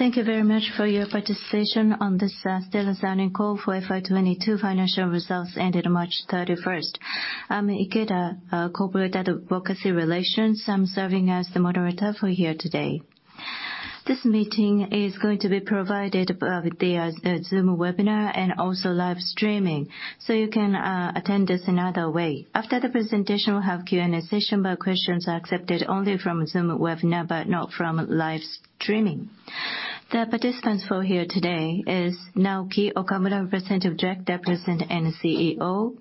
Thank you very much for your participation on this Astellas Earnings Call for FY 2022 Financial Results ended March 31st. I'm Ikeda, Corporate Advocacy Relations. I'm serving as the moderator for here today. This meeting is going to be provided via Zoom Webinar and also live streamin. You can attend this another way. After the presentation, we'll have Q&A session, questions are accepted only from Zoom Webinar, but not from live streaming. The participants for here today is Naoki Okamura, Representative Director and CEO.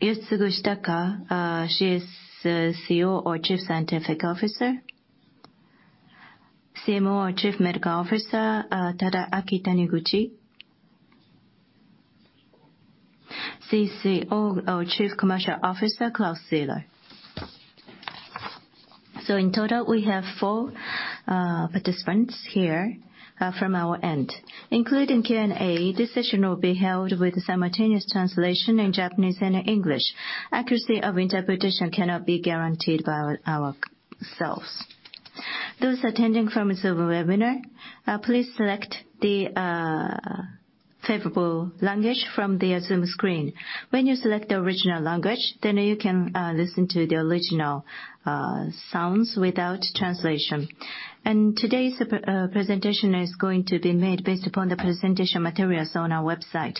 Yoshitsugu Shitaka, CScO, or Chief Scientific Officer. CMO, or Chief Medical Officer, Tadaaki Taniguchi. CCO, or Chief Commercial Officer, Claus Zieler. In total, we have 4 participants here from our end. Including Q&A, this session will be held with simultaneous translation in Japanese and English. Accuracy of interpretation cannot be guaranteed by ourselves. Those attending from Zoom Webinar, please select the favorable language from the Zoom screen. When you select the original language, you can listen to the original sounds without translation. Today's presentation is going to be made based upon the presentation materials on our website.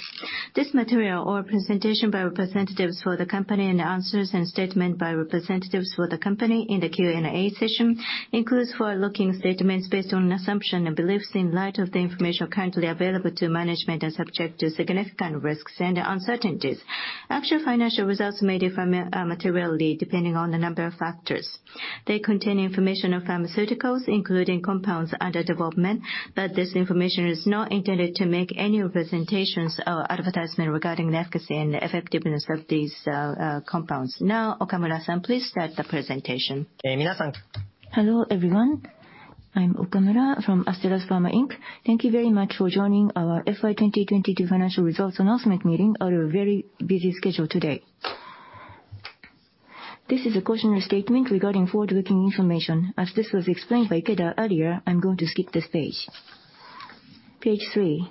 This material or presentation by representatives for the company and the answers and statement by representatives for the company in the Q&A session includes forward-looking statements based on assumption and beliefs in light of the information currently available to management, and subject to significant risks and uncertainties. Actual financial results may differ materially depending on a number of factors. They contain information of pharmaceuticals, including compounds under development, but this information is not intended to make any representations or advertisement regarding the efficacy and effectiveness of these compounds. Okamura-san, please start the presentation. Hello, everyone. I'm Okamura from Astellas Pharma Inc. Thank you very much for joining our FY 2022 financial results announcement meeting on a very busy schedule today. This is a cautionary statement regarding forward-looking information. As this was explained by Ikeda earlier, I'm going to skip this page. Page three.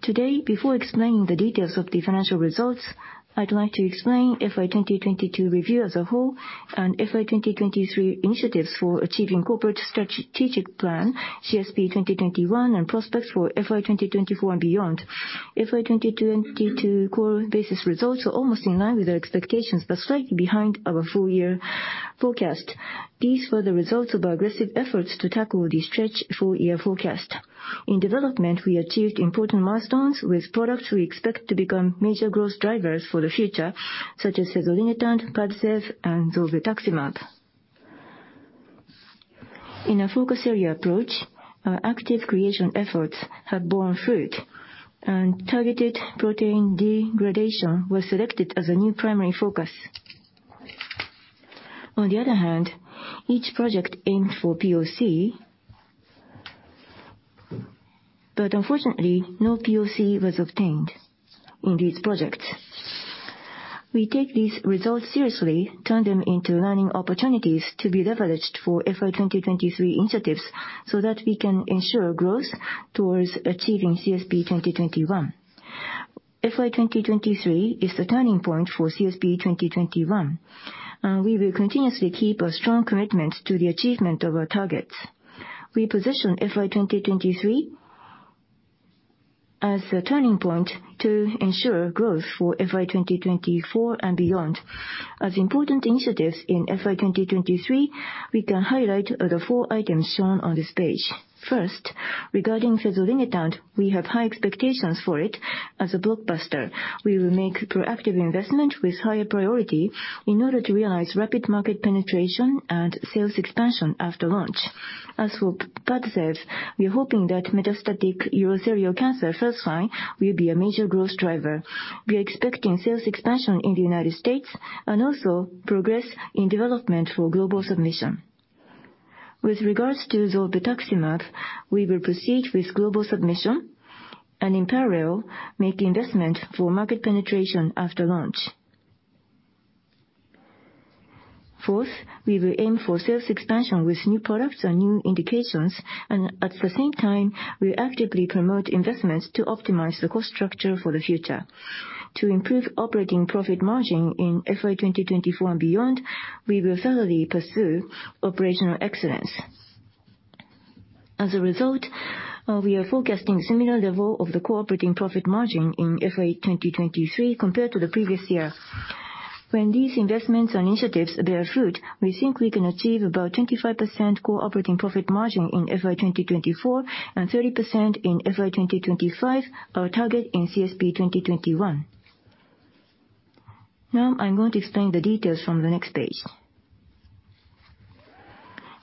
Today, before explaining the details of the financial results, I'd like to explain FY 2022 review as a whole and FY 2023 initiatives for achieving corporate strategic plan, CSP 2021, and prospects for FY 2024 and beyond. FY 2022 core basis results are almost in line with our expectations, but slightly behind our full year forecast. These were the results of aggressive efforts to tackle the stretched full-year forecast. In development, we achieved important milestones with products we expect to become major growth drivers for the future, such as fezolinetant, PADCEV, and zolbetuximab. In our focus area approach, our active creation efforts have borne fruit, and Targeted Protein Degradation was selected as a new primary focus. On the other hand, each project aimed for POC, but unfortunately, no POC was obtained in these projects. We take these results seriously, turn them into learning opportunities to be leveraged for FY 2023 initiatives, so that we can ensure growth towards achieving CSP2021. FY 2023 is the turning point for CSP2021. We will continuously keep a strong commitment to the achievement of our targets. We position FY 2023 as the turning point to ensure growth for FY 2024 and beyond. As important initiatives in FY 2023, we can highlight the four items shown on this page. First, regarding fezolinetant, we have high expectations for it as a blockbuster. We will make proactive investment with higher priority in order to realize rapid market penetration and sales expansion after launch. As for PADCEV, we are hoping that metastatic urothelial cancer first-line will be a major growth driver. We are expecting sales expansion in the United States and also progress in development for global submission. With regards to zolbetuximab, we will proceed with global submission and in parallel, make investment for market penetration after launch. Fourth, we will aim for sales expansion with new products and new indications, and at the same time, we actively promote investments to optimize the cost structure for the future. To improve operating profit margin in FY 2024 and beyond, we will thoroughly pursue operational excellence. As a result, we are forecasting similar level of the core profit margin in FY 2023 compared to the previous year. When these investments and initiatives bear fruit, we think we can achieve about 25% core operating profit margin in FY 2024 and 30% in FY 2025, our target in CSP 2021. I'm going to explain the details from the next page.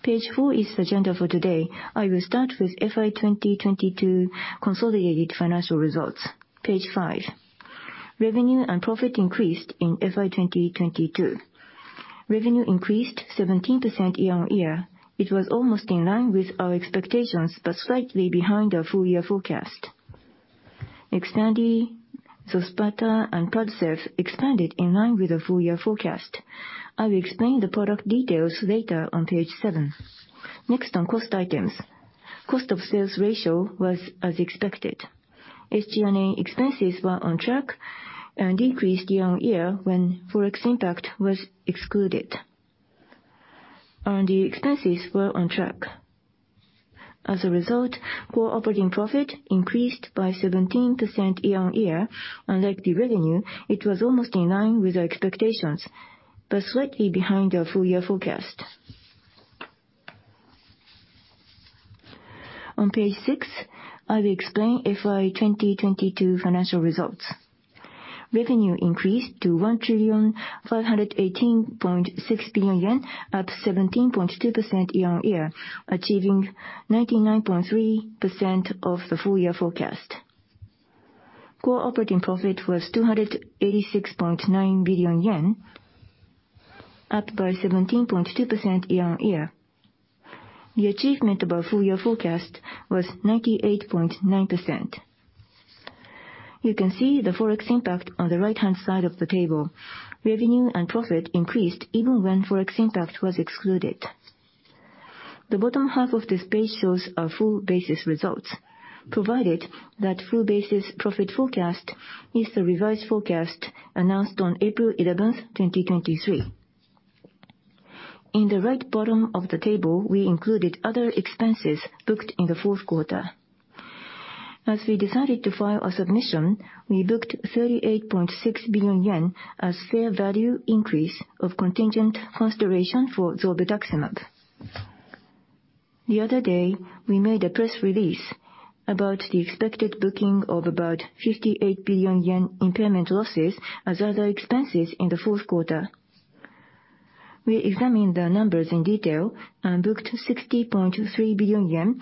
Page four is the agenda for today. I will start with FY 2022 consolidated financial results. Page five. Revenue and profit increased in FY 2022. Revenue increased 17% year-on-year. It was almost in line with our expectations, slightly behind our full year forecast. XTANDI, XOSPATA, and PADCEV expanded in line with the full year forecast. I will explain the product details later on page seven. On cost items. Cost of sales ratio was as expected. SG&A expenses were on track and increased year-on-year when Forex impact was excluded. R&D expenses were on track. As a result, core operating profit increased by 17% year-on-year. Unlike the revenue, it was almost in line with our expectations, but slightly behind our full year forecast. On page six, I will explain FY2022 financial results. Revenue increased to 1,518.6 billion yen, up 17.2% year-on-year, achieving 99.3% of the full year forecast. Core operating profit was 286.9 billion yen, up by 17.2% year-on-year. The achievement of our full year forecast was 98.9%. You can see the Forex impact on the right-hand side of the table. Revenue and profit increased even when Forex impact was excluded. The bottom half of this page shows our full basis results, provided that full basis profit forecast is the revised forecast announced on April 11, 2023. In the right bottom of the table, we included other expenses booked in the fourth quarter. We decided to file a submission, we booked 38.6 billion yen as fair value increase of contingent consideration for zolbetuximab. The other day, we made a press release about the expected booking of about 58 billion yen impairment losses as other expenses in the fourth quarter. We examined the numbers in detail and booked 60.3 billion yen,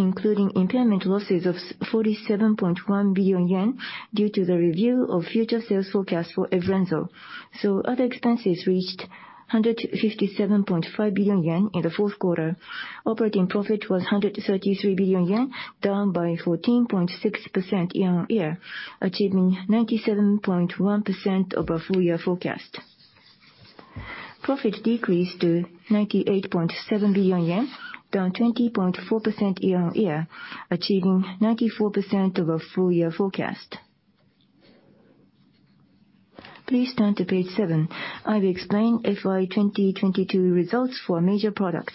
including impairment losses of 47.1 billion yen due to the review of future sales forecast for Evrenzo. Other expenses reached 157.5 billion yen in the fourth quarter. Operating profit was 133 billion yen, down by 14.6% year-on-year, achieving 97.1% of our full year forecast. Profit decreased to 98.7 billion yen, down 20.4% year-on-year, achieving 94% of our full year forecast. Please turn to page seven. I will explain FY2022 results for major products.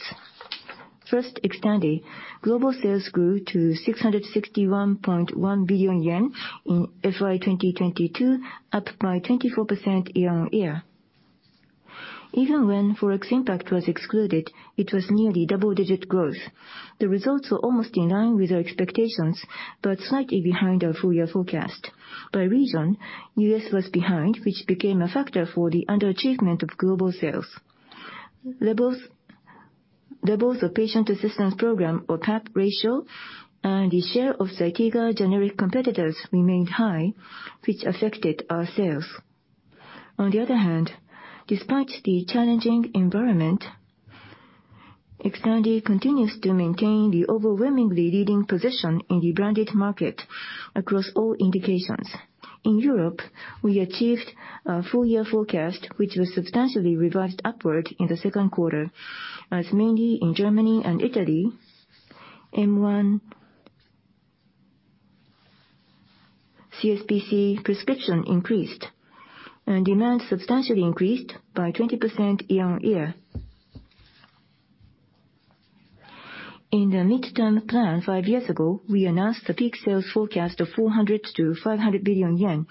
First, XTANDI. Global sales grew to 661.1 billion yen in FY2022, up by 24% year-on-year. Even when Forex impact was excluded, it was nearly double-digit growth. The results were almost in line with our expectations, but slightly behind our full year forecast. By region, U.S. was behind, which became a factor for the underachievement of global sales. Labels of Patient Assistance Program or PAP ratio and the share of ZYTIGA generic competitors remained high, which affected our sales. On the other hand, despite the challenging environment, XTANDI continues to maintain the overwhelmingly leading position in the branded market across all indications. In Europe, we achieved our full year forecast, which was substantially revised upward in the second quarter, as mainly in Germany and Italy, M1 CSPC prescription increased, and demand substantially increased by 20% year-over-year. In the mid-term plan five years ago, we announced the peak sales forecast of 400 billion-500 billion yen.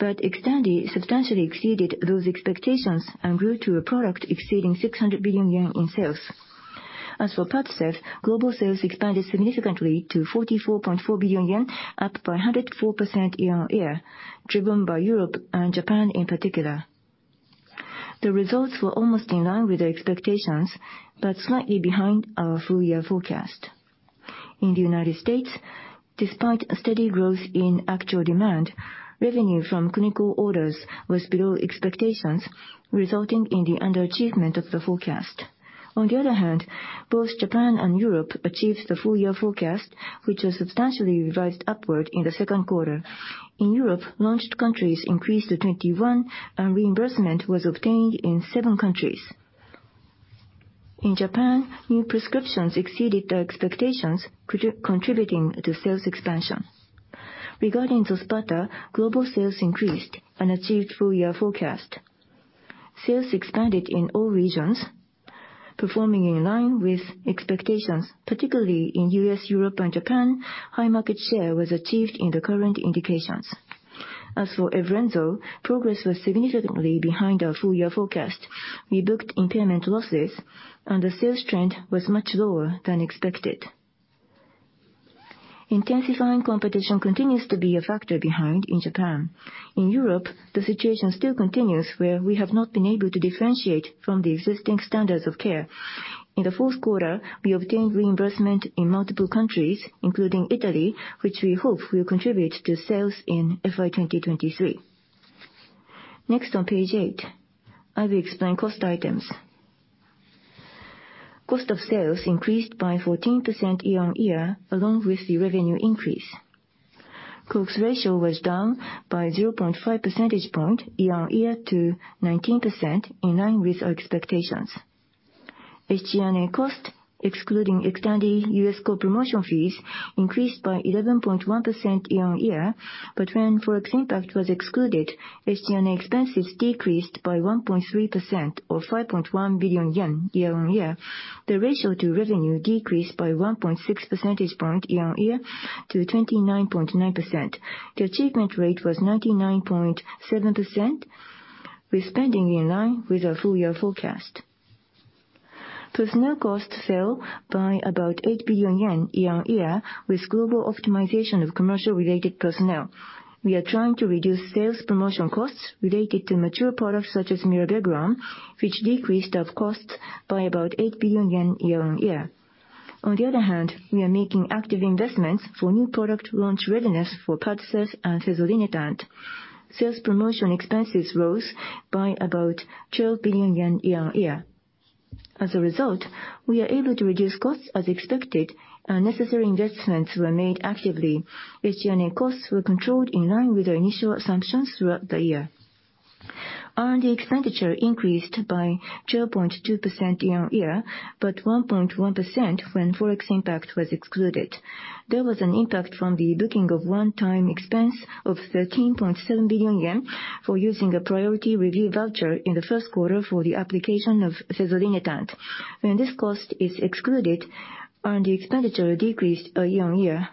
XTANDI substantially exceeded those expectations and grew to a product exceeding 600 billion yen in sales. As for PADCEV, global sales expanded significantly to 44.4 billion yen, up by 104% year-over-year, driven by Europe and Japan in particular. The results were almost in line with the expectations, but slightly behind our full year forecast. In the United States, despite a steady growth in actual demand, revenue from clinical orders was below expectations, resulting in the underachievement of the forecast. On the other hand, both Japan and Europe achieved the full year forecast, which was substantially revised upward in the second quarter. In Europe, launched countries increased to 21, and reimbursement was obtained in seven countries. In Japan, new prescriptions exceeded the expectations contributing to sales expansion. Regarding XOSPATA, global sales increased and achieved full year forecast. Sales expanded in all regions, performing in line with expectations, particularly in U.S., Europe and Japan, high market share was achieved in the current indications. As for Evrenzo, progress was significantly behind our full year forecast. We booked impairment losses and the sales trend was much lower than expected. Intensifying competition continues to be a factor behind in Japan. In Europe, the situation still continues where we have not been able to differentiate from the existing standards of care. In the fourth quarter, we obtained reimbursement in multiple countries, including Italy, which we hope will contribute to sales in FY2023. Next on page eight, I will explain cost items. Cost of sales increased by 14% year-on-year, along with the revenue increase. Cost ratio was down by 0.5 percentage point year-on-year to 19%, in line with our expectations. SG&A cost, excluding XTANDI U.S. co-promotion fees, increased by 11.1% year-on-year. When ForEx impact was excluded, SG&A expenses decreased by 1.3%, or 5.1 billion yen year-on-year. The ratio to revenue decreased by 1.6 percentage point year-on-year to 29.9%. The achievement rate was 99.7%, with spending in line with our full year forecast. Personnel costs fell by about 8 billion yen year-on-year, with global optimization of commercial-related personnel. We are trying to reduce sales promotion costs related to mature products such as mirabegron, which decreased our costs by about 8 billion yen year-on-year. We are making active investments for new product launch readiness for PADCEV and fezolinetant. Sales promotion expenses rose by about 12 billion yen year-on-year. We are able to reduce costs as expected, and necessary investments were made actively. SG&A costs were controlled in line with our initial assumptions throughout the year. R&D expenditure increased by 2.2% year-on-year, but 1.1% when ForEx impact was excluded. There was an impact from the booking of one-time expense of 13.7 billion yen for using a priority review voucher in the first quarter for the application of fezolinetant. When this cost is excluded, R&D expenditure decreased year-on-year.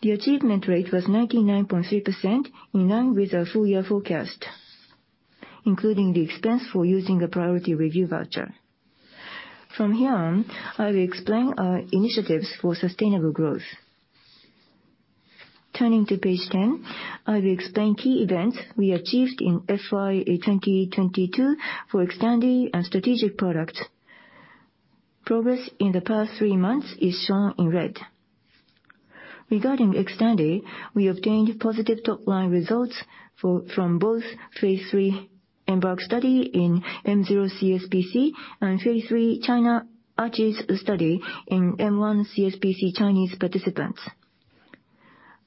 The achievement rate was 99.3%, in line with our full year forecast, including the expense for using a priority review voucher. From here on, I will explain our initiatives for sustainable growth. Turning to page 10, I will explain key events we achieved in FY 2022 for extending our strategic products. Progress in the past three months is shown in red. Regarding XTANDI, we obtained positive top line results from both Phase III EMBARK study in m0 CSPC and Phase III China ARCHES study in M1 CSPC Chinese participants.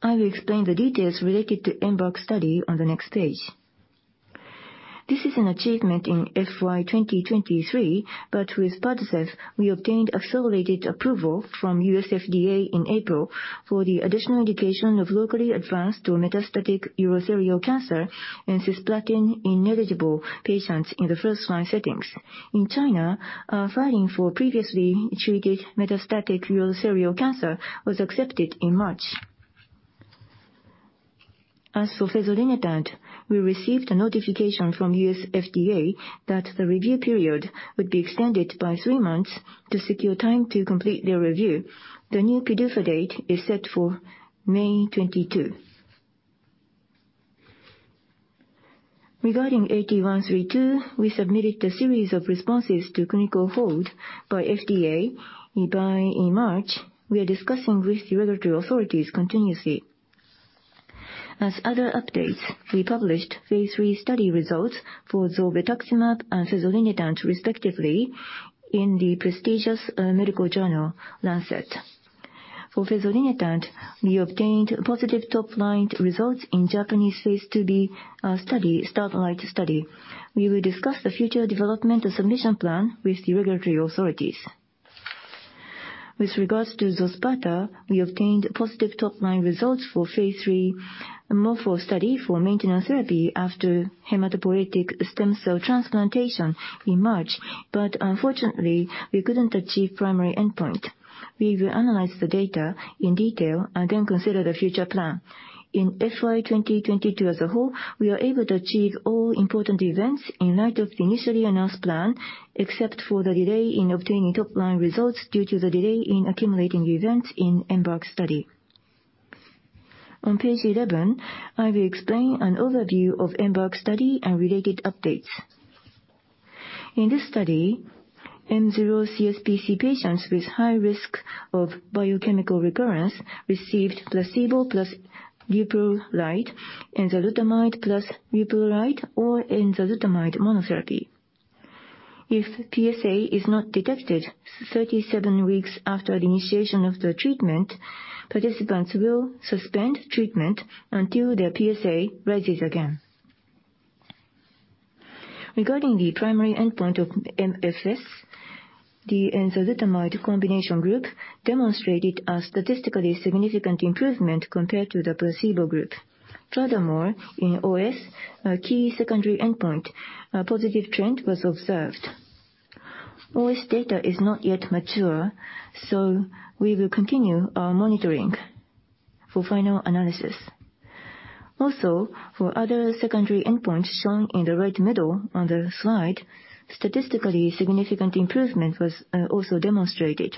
I will explain the details related to EMBARK study on the next page. This is an achievement in FY 2023. With PADCEV, we obtained accelerated approval from U.S. FDA in April for the additional indication of locally advanced or metastatic urothelial cancer in cisplatin-ineligible patients in the first line settings. In China, our filing for previously treated metastatic urothelial cancer was accepted in March. As for fezolinetant, we received a notification from U.S. FDA that the review period would be extended by three months to secure time to complete their review. The new PDUFA date is set for May 22. Regarding AT132, we submitted a series of responses to clinical hold by FDA by March. We are discussing with the regulatory authorities continuously. As other updates, we published Phase III study results for zolbetuximab and fezolinetant respectively in the prestigious medical journal, Lancet. For fezolinetant, we obtained positive top line results in Japanese Phase IIb study, STARLIGHT study. We will discuss the future development and submission plan with the regulatory authorities. With regards to XOSPATA, we obtained positive top line results for Phase III MORPHO study for maintenance therapy after hematopoietic stem cell transplantation in March. Unfortunately, we couldn't achieve primary endpoint. We will analyze the data in detail and then consider the future plan. In FY 2022 as a whole, we are able to achieve all important events in light of the initially announced plan, except for the delay in obtaining top line results due to the delay in accumulating events in EMBARK study. On page 11, I will explain an overview of EMBARK study and related updates. In this study, nmCSPC patients with high risk of biochemical recurrence received placebo + dupilumab, enzalutamide + dupilumab, or enzalutamide monotherapy. If PSA is not detected 37 weeks after the initiation of the treatment, participants will suspend treatment until their PSA rises again. Regarding the primary endpoint of MFS, the enzalutamide combination group demonstrated a statistically significant improvement compared to the placebo group. Furthermore, in OS, a key secondary endpoint, a positive trend was observed. OS data is not yet mature, so we will continue our monitoring for final analysis. Also, for other secondary endpoints shown in the right middle on the slide, statistically significant improvement was also demonstrated.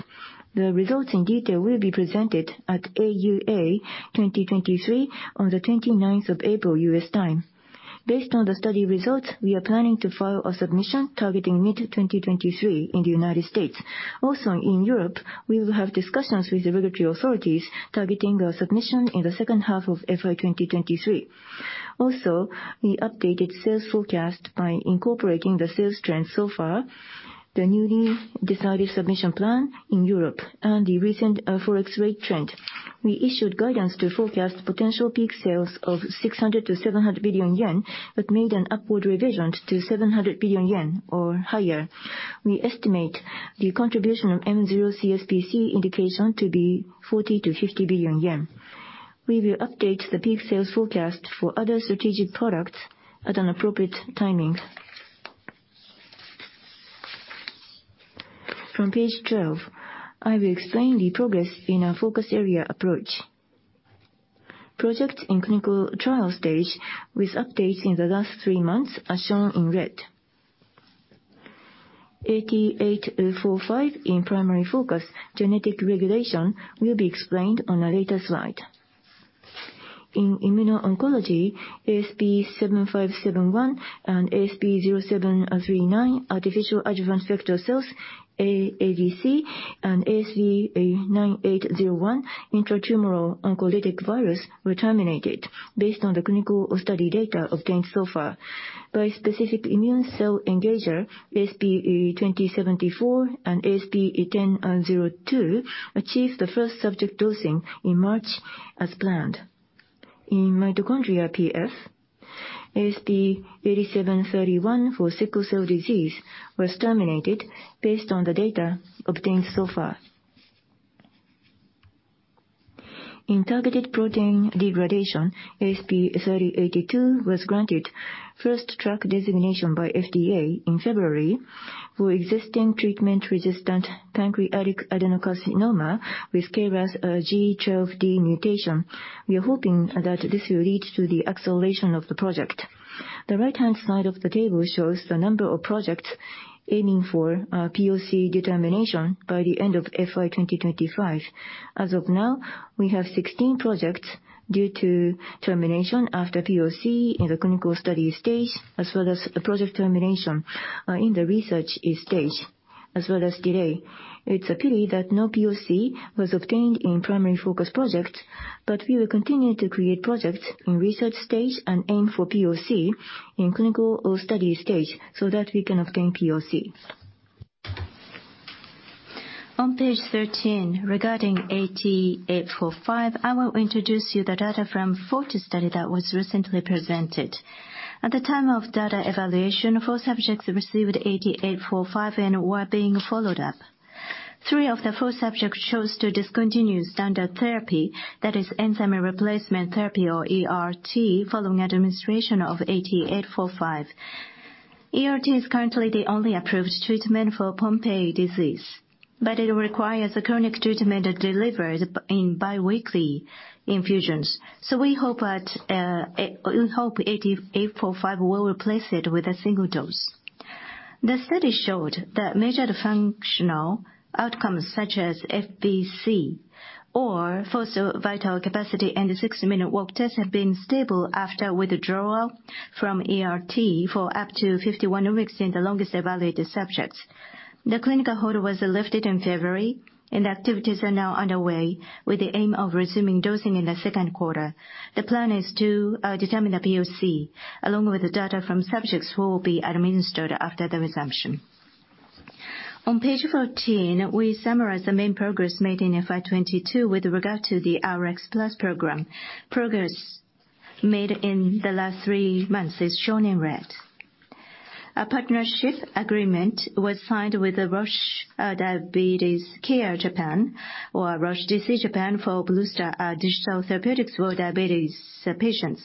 The results in detail will be presented at AUA 2023 on the 29th of April, U.S. time. Based on the study results, we are planning to file a submission targeting mid-2023 in the United States. In Europe, we will have discussions with the regulatory authorities targeting a submission in the second half of FY 2023. Also, we updated sales forecast by incorporating the sales trends so far, the newly decided submission plan in Europe, and the recent Forex rate trend. We issued guidance to forecast potential peak sales of 600 billion-700 billion yen, but made an upward revision to 700 billion yen or higher. We estimate the contribution of mCSPC indication to be 40 billion-50 billion yen. We will update the peak sales forecast for other strategic products at an appropriate timing. From page 12, I will explain the progress in our focus area approach. Projects in clinical trial stage with updates in the last three months are shown in red. AT845 in primary focus genetic regulation will be explained on a later slide. In immuno-oncology, ASP7517 and ASP0739, artificial adjuvant factor cells, aAVC, and ASP9801, intratumoral oncolytic virus, were terminated based on the clinical study data obtained so far. Bispecific immune cell engager, ASP2074 and ASP1002, achieved the first subject dosing in March as planned. In mitochondria PF, ASP8731 for sickle cell disease was terminated based on the data obtained so far. In Targeted Protein Degradation, ASP3082 was granted Fast Track designation by FDA in February for existing treatment-resistant pancreatic adenocarcinoma with KRAS G12D mutation. We are hoping that this will lead to the acceleration of the project. The right-hand side of the table shows the number of projects aiming for POC determination by the end of FY2025. As of now, we have 16 projects due to termination after POC in the clinical study stage, as well as the project termination in the research stage, as well as delay. It's a pity that no POC was obtained in primary focus projects. We will continue to create projects in research stage and aim for POC in clinical or study stage so that we can obtain POC. On page 13, regarding AT845, I will introduce you the data from FORTIS study that was recently presented. At the time of data evaluation, four subjects received AT845 and were being followed up. three of the four subjects chose to discontinue standard therapy, that is enzyme replacement therapy or ERT, following administration of AT845. ERT is currently the only approved treatment for Pompe disease. It requires a chronic treatment delivered in biweekly infusions. We hope that AT845 will replace it with a single dose. The study showed that measured functional outcomes such as FVC, or Forced Vital Capacity and the six-minute walk test, have been stable after withdrawal from ERT for up to 51 weeks in the longest evaluated subjects. The clinical hold was lifted in February, and activities are now underway with the aim of resuming dosing in the second quarter. The plan is to determine the POC, along with the data from subjects who will be administered after the resumption. On page 14, we summarize the main progress made in FY2022 with regard to the Rx+ program. Progress made in the last three months is shown in red. A partnership agreement was signed with Roche Diabetes Care Japan (or Roche DC Japan) for BlueStar digital therapeutics for diabetes patients.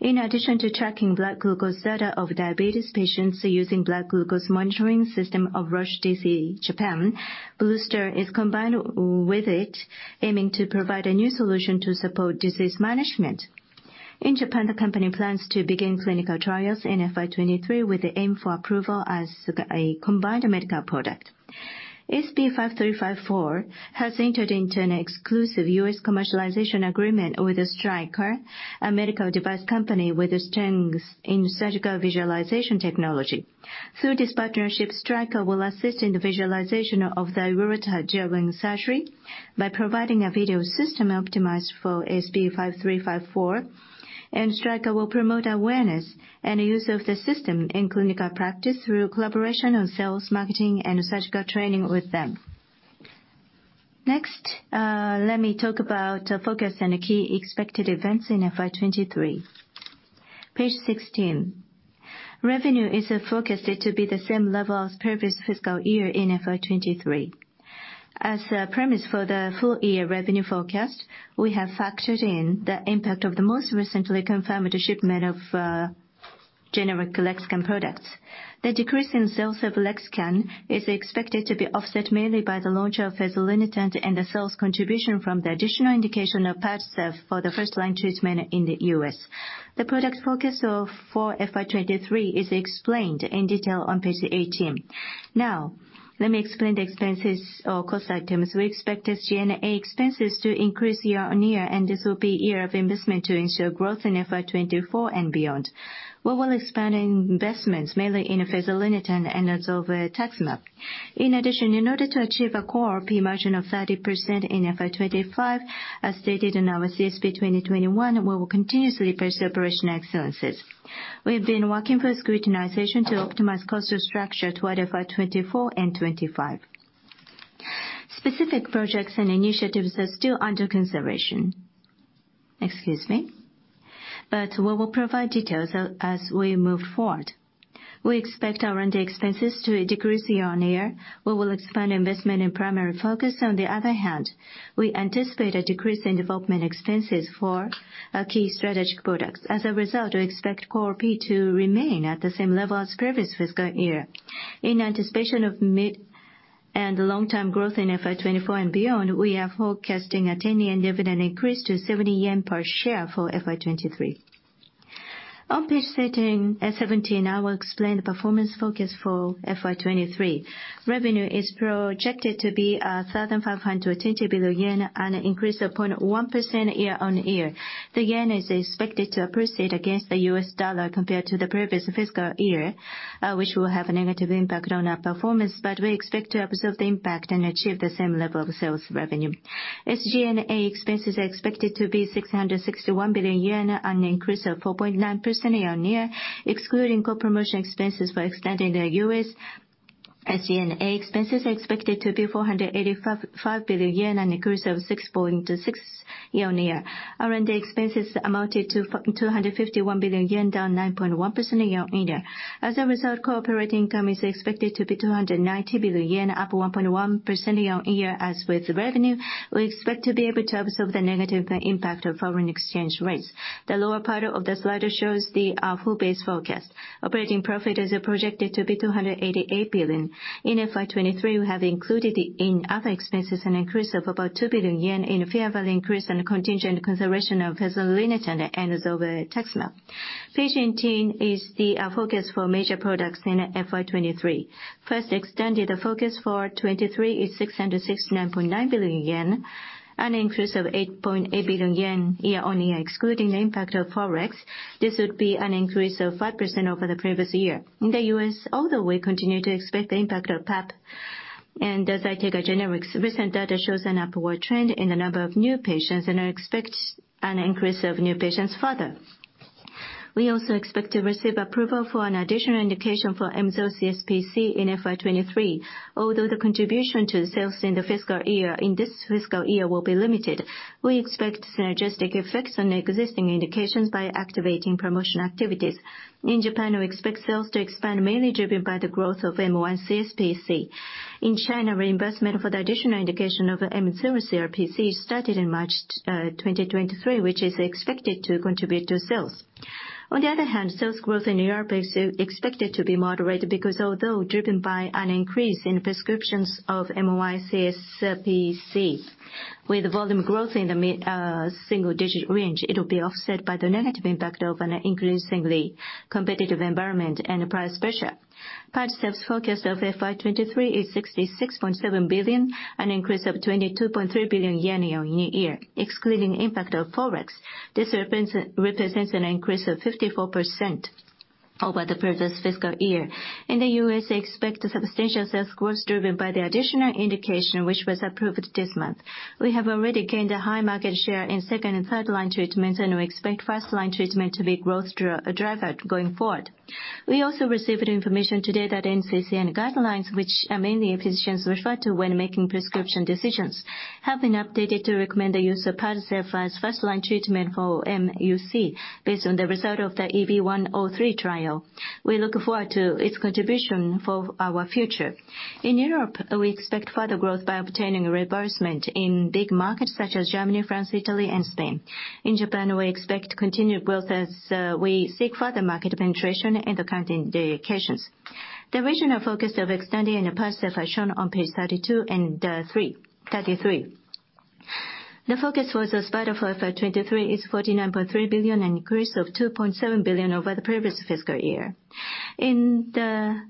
In addition to tracking blood glucose data of diabetes patients using blood glucose monitoring system of Roche DC Japan, BlueStar is combined with it, aiming to provide a new solution to support disease management. In Japan, the company plans to begin clinical trials in FY2023, with the aim for approval as a combined medical product. ASP5354 has entered into an exclusive U.S. commercialization agreement with Stryker, a medical device company with strengths in surgical visualization technology. Through this partnership, Stryker will assist in the visualization of the aorta during surgery by providing a video system optimized for ASP5354. Stryker will promote awareness and use of the system in clinical practice through collaboration on sales, marketing, and surgical training with them. Next, let me talk about our focus and the key expected events in FY2023. Page 16. Revenue is forecasted to be the same level as previous fiscal year in FY2023. As a premise for the full year revenue forecast, we have factored in the impact of the most recently confirmed shipment of generic Lexiscan products. The decrease in sales of Lexiscan is expected to be offset mainly by the launch of fezolinetant and the sales contribution from the additional indication of PADCEV for the first-line treatment in the U.S. The product forecast for FY2023 is explained in detail on page 18. Let me explain the expenses or cost items. We expect G&A expenses to increase year-on-year, and this will be year of investment to ensure growth in FY2024 and beyond. We will expand investments mainly in fezolinetant and zolbetuximab. In order to achieve a core profit margin of 30% in FY2025, as stated in our CSP2021, we will continuously push operational excellences. We've been working for scrutinization to optimize cost structure toward FY2024 and 2025. Specific projects and initiatives are still under consideration. Excuse me. We will provide details as we move forward. We expect our R&D expenses to decrease year-on-year. We will expand investment in Primary Focus. On the other hand, we anticipate a decrease in development expenses for our key strategic products. As a result, we expect core P to remain at the same level as previous fiscal year. In anticipation of mid and the long-term growth in FY2024 and beyond, we are forecasting a 10-year dividend increase to 70 yen per share for FY2023. On page 17, I will explain the performance focus for FY2023. Revenue is projected to be 1,520 billion, an increase of 0.1% year-on-year. The yen is expected to appreciate against the U.S. dollar compared to the previous fiscal year, which will have a negative impact on our performance, but we expect to absorb the impact and achieve the same level of sales revenue. SG&A expenses are expected to be 661 billion yen, an increase of 4.9% year-on-year, excluding co-promotion expenses for extending the U.S.. SG&A expenses are expected to be 485.5 billion yen, an increase of 6.6% year-on-year. R&D expenses amounted to 251 billion yen, down 9.1% year-on-year. As a result, operating income is expected to be 290 billion yen, up 1.1% year-on-year. As with revenue, we expect to be able to absorb the negative impact of foreign exchange rates. The lower part of the slide shows the full base forecast. Operating profit is projected to be JPY 288 billion. In FY2023, we have included in other expenses an increase of about 2 billion yen in fair value increase and contingent consideration of fezolinetant and zolbetuximab. Page 18 is the focus for major products in FY2023. First, XTANDI the focus for 2023 is 669.9 billion yen, an increase of 8.8 billion yen year-on-year. Excluding the impact of Forex, this would be an increase of 5% over the previous year. In the U.S., although we continue to expect the impact of PAP, and ZYTIGA generic, recent data shows an upward trend in the number of new patients and expect an increase of new patients further. We also expect to receive approval for an additional indication for nmCSPC in FY2023. Although the contribution to sales in the fiscal year, in this fiscal year will be limited, we expect synergistic effects on existing indications by activating promotion activities. In Japan, we expect sales to expand mainly driven by the growth of mCSPC. In China, reimbursement for the additional indication of nmCRPC started in March 2023, which is expected to contribute to sales. On the other hand, sales growth in Europe is expected to be moderate because although driven by an increase in prescriptions of mCSPC, with volume growth in the mid-single digit range, it will be offset by the negative impact of an increasingly competitive environment and price pressure. PADCEV's forecast of FY2023 is 66.7 billion, an increase of 22.3 billion yen year-on-year. Excluding impact of Forex, this represents an increase of 54% over the previous fiscal year. In the U.S., they expect substantial sales growth driven by the additional indication which was approved this month. We have already gained a high market share in second and third line treatment, and we expect first line treatment to be growth driver going forward. We also received information today that NCCN guidelines, which many physicians refer to when making prescription decisions, have been updated to recommend the use of PADCEV as first line treatment for mUC based on the result of the EV-103 trial. We look forward to its contribution for our future. In Europe, we expect further growth by obtaining reimbursement in big markets such as Germany, France, Italy, and Spain. In Japan, we expect continued growth as we seek further market penetration in the current indications. The regional focus of extending in PADCEV are shown on page 32 and 33. The focus for the XOSPATA of FY2023 is 49.3 billion, an increase of 2.7 billion over the previous fiscal year. In the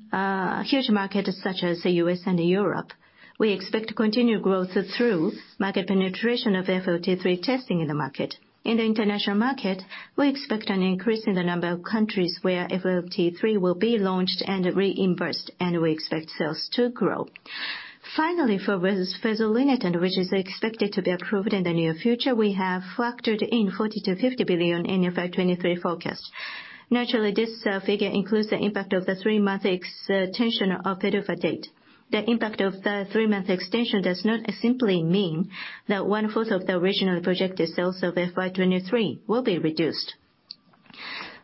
huge markets such as the U.S. and Europe, we expect continued growth through market penetration of FLT3 testing in the market. In the international market, we expect an increase in the number of countries where FLT3 will be launched and reimbursed, and we expect sales to grow. Finally, for fezolinetant, which is expected to be approved in the near future, we have factored in 40 billion-50 billion in FY2023 forecast. Naturally, this figure includes the impact of the three-month extension of PDUFA date. The impact of the three-month extension does not simply mean that one-fourth of the originally projected sales of FY2023 will be reduced.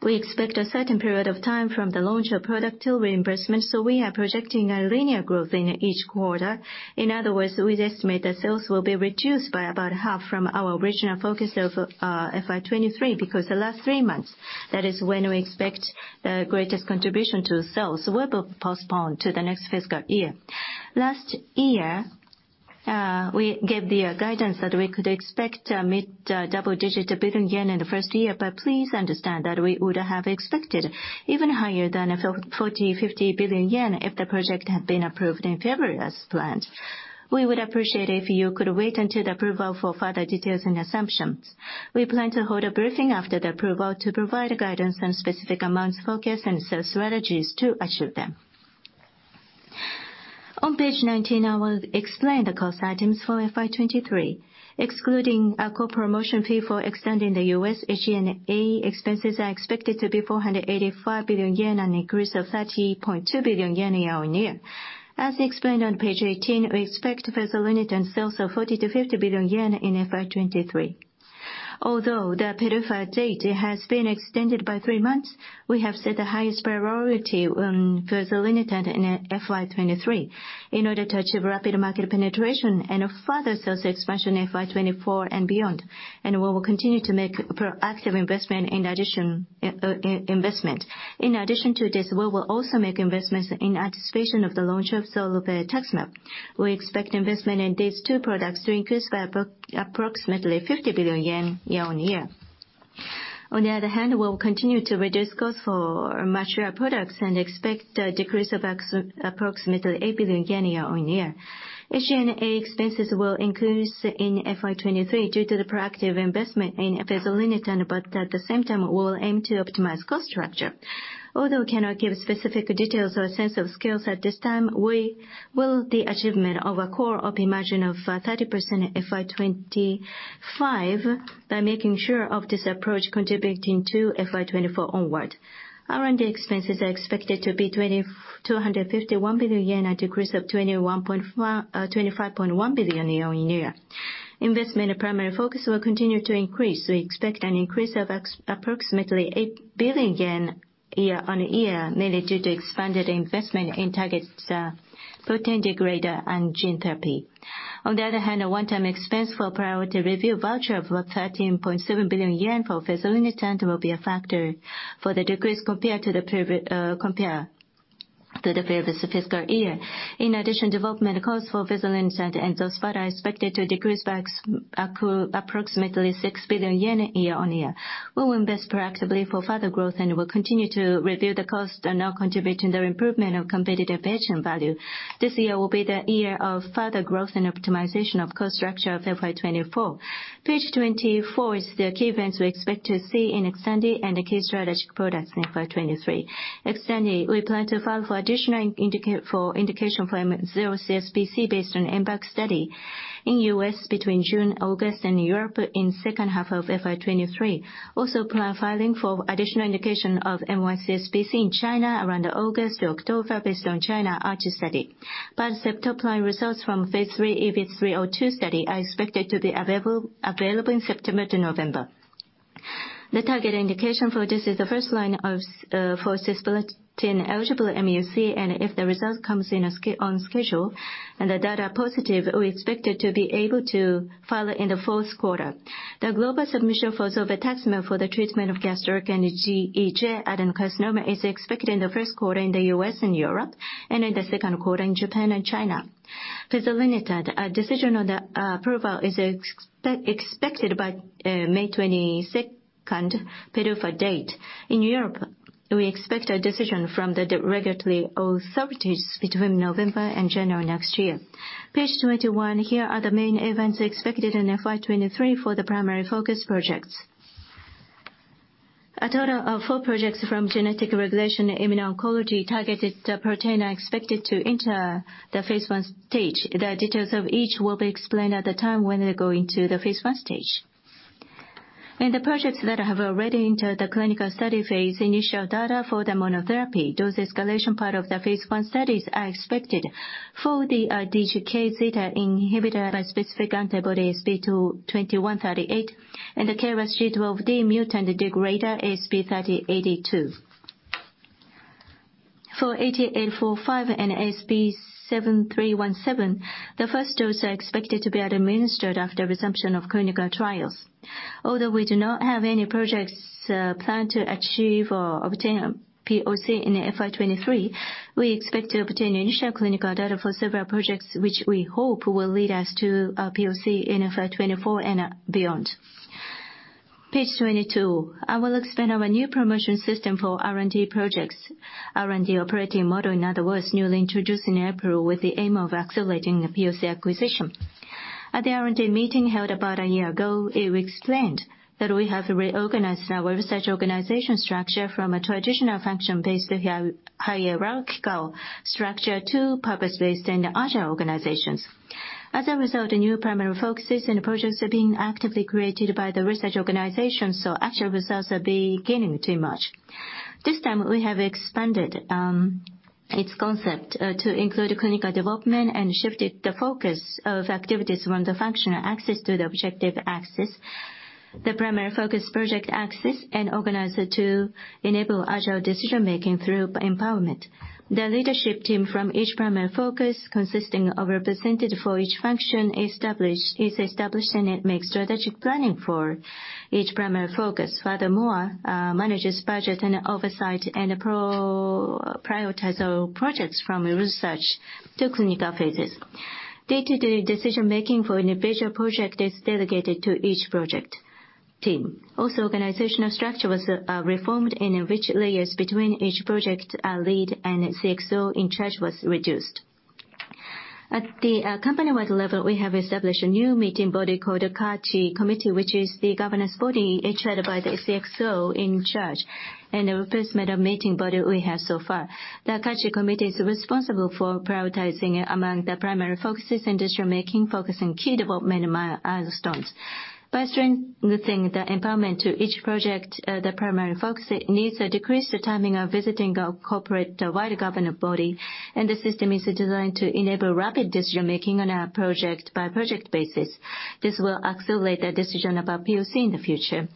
We expect a certain period of time from the launch of product till reimbursement. We are projecting a linear growth in each quarter. In other words, we estimate that sales will be reduced by about half from our original focus of FY2023 because the last three months, that is when we expect the greatest contribution to sales, will be postponed to the next fiscal year. Last year, we gave the guidance that we could expect mid-double-digit billion JPY in the 1st year. Please understand that we would have expected even higher than 40-50 billion yen if the project had been approved in February as planned. We would appreciate if you could wait until the approval for further details and assumptions. We plan to hold a briefing after the approval to provide guidance on specific amounts focused and sales strategies to achieve them. On page 19, I will explain the cost items for FY2023. Excluding our core promotion fee for extending the U.S., SG&A expenses are expected to be 485 billion yen, an increase of 30.2 billion yen year-on-year. As explained on page 18, we expect fezolinetant sales of 40 billion-50 billion yen in FY2023. Although the PDUFA date has been extended by three months, we have set the highest priority on fezolinetant in FY2023 in order to achieve rapid market penetration and further sales expansion in FY2024 and beyond. We will continue to make proactive investment in addition, investment. In addition to this, we will also make investments in anticipation of the launch of zolbetuximab. We expect investment in these two products to increase by approximately 50 billion yen year-on-year. On the other hand, we will continue to reduce costs for mature products and expect a decrease of approximately 8 billion yen year-on-year. SG&A expenses will increase in FY2023 due to the proactive investment in fezolinetant, but at the same time, we will aim to optimize cost structure. Although I cannot give specific details or a sense of scales at this time, we will the achievement of a core OP margin of 30% FY2025 by making sure of this approach contributing to FY2024 onward. R&D expenses are expected to be 2,251 billion yen, a decrease of 25.1 billion year-on-year. Investment in primary focus will continue to increase. We expect an increase of approximately 8 billion yen year-on-year, mainly due to expanded investment in targets, protein degrader and gene therapy. A one-time expense for priority review voucher of 13.7 billion yen for fezolinetant will be a factor for the decrease compared to the previous fiscal year. Development costs for fezolinetant and XOSPATA are expected to decrease by approximately 6 billion yen year-on-year. We will invest proactively for further growth and will continue to review the costs that now contribute to the improvement of competitive patient value. This year will be the year of further growth and optimization of cost structure of FY2024. Page 24 is the key events we expect to see in XTANDI and key strategic products in FY2023. XTANDI, we plan to file for additional indication for nmCSPC based on impact study in U.S. between June and August, and Europe in second half of FY2023. Plan filing for additional indication of mHSPC in China around August to October based on China ARCHES study. Biszeptolide results from Phase III EV-302 study are expected to be available in September to November. The target indication for this is the 1st line for cisplatin-eligible mUC, and if the result comes on schedule and the data are positive, we expect it to be able to file it in the 4th quarter. The global submission for zolbetuximab for the treatment of gastric and GEJ adenocarcinoma is expected in the 1st quarter in the U.S. and Europe, and in the 2nd quarter in Japan and China. fezolinetant, a decision on the approval is expected by May 22nd PDUFA date. In Europe, we expect a decision from the regulatory authorities between November and January next year. Page 21. Here are the main events expected in FY2023 for the primary focus projects. A total of four projects from genetic regulation immuno-oncology targeted protein are expected to enter the Phase I stage. The details of each will be explained at the time when they go into the Phase I stage. In the projects that have already entered the clinical study Phase, initial data for the monotherapy dose escalation part of the Phase I studies are expected for the DGKz inhibitor bispecific antibody ASP2138 and the KRAS G12D mutant degrader, ASP3082. For AT845 and ASP7317, the first dose are expected to be administered after resumption of clinical trials. Although we do not have any projects, planned to achieve or obtain POC in FY2023, we expect to obtain initial clinical data for several projects which we hope will lead us to a POC in FY2024 and beyond. Page 22. I will explain our new promotion system for R&D projects. R&D operating model, in other words, newly introduced in April with the aim of accelerating the POC acquisition. At the R&D meeting held about a year ago, it was explained that we have reorganized our research organization structure from a traditional function-based hierarchical structure to purpose-based and agile organizations. As a result, the new primary focuses and approaches are being actively created by the research organization, so actual results are beginning to emerge. This time, we have expanded its concept to include clinical development and shifted the focus of activities from the functional axis to the objective axis. The primary focus project axis and organizer to enable agile decision-making through empowerment. The leadership team from each primary focus consisting of representative for each function is established and it makes strategic planning for each primary focus. Furthermore, manages budget and oversight and pro-prioritize our projects from research to clinical phases. Day-to-day decision making for an individual project is delegated to each project team. Organizational structure was reformed and the rich layers between each project lead and CXO in charge was reduced. At the company-wide level, we have established a new meeting body called Kachi Committee, which is the governance body chaired by the CXO in charge, and a replacement of meeting body we have so far. The Kachi Committee is responsible for prioritizing among the primary focuses and decision-making, focusing key development milestones. By strengthening the empowerment to each project, the primary focus needs to decrease the timing of visiting our corporate-wide governance body, and the system is designed to enable rapid decision-making on a project-by-project basis. This will accelerate the decision about POC in the future.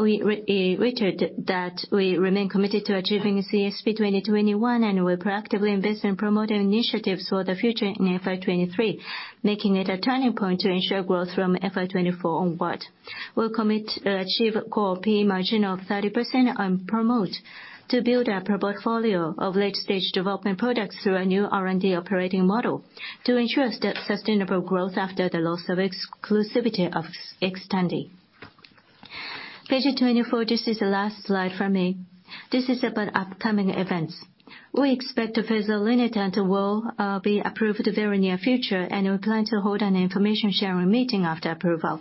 We reiterated that we remain committed to achieving CSP 2021, and we'll proactively invest in promoting initiatives for the future in FY2023, making it a turning point to ensure growth from FY2024 onward. We'll achieve core PE margin of 30% and promote to build up a portfolio of late-stage development products through a new R&D operating model to ensure sustainable growth after the loss of exclusivity of Xtandi. Page 24. This is the last slide from me. This is about upcoming events. We expect the fezolinetant will be approved very near future. We plan to hold an information sharing meeting after approval.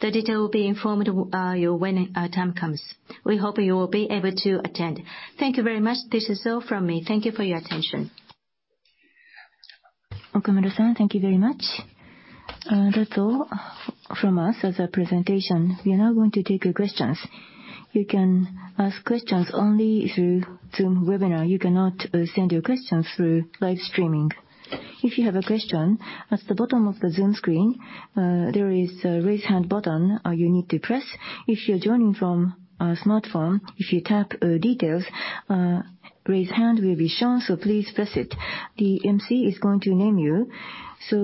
The detail will be informed you when time comes. We hope you will be able to attend. Thank you very much. This is all from me. Thank you for your attention. Okamura-san, thank you very much. That's all from us as a presentation. We are now going to take your questions. You can ask questions only through Zoom Webinar. You cannot send your questions through live streaming. If you have a question, at the bottom of the Zoom screen, there is a raise hand button you need to press. If you're joining from a smartphone, if you tap details, raise hand will be shown, so please press it. The MC is going to name you.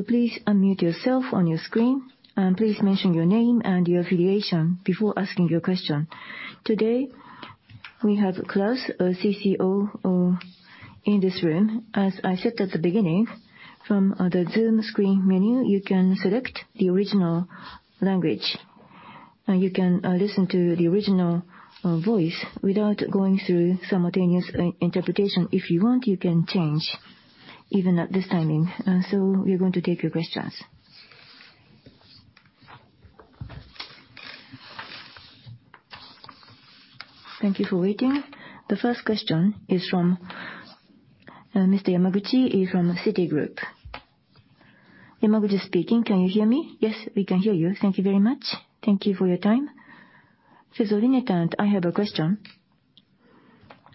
Please unmute yourself on your screen, and please mention your name and your affiliation before asking your question. Today, we have Klaus, our CCO, in this room. As I said at the beginning, from the Zoom screen menu, you can select the original language. You can listen to the original voice without going through simultaneous in-interpretation. If you want, you can change even at this timing. We are going to take your questions. Thank you for waiting. The first question is from Mr. Yamaguchi. He's from Citigroup. Yamaguchi speaking. Can you hear me? Yes, we can hear you. Thank you very much. Thank you for your time. Fezolinetant, I have a question.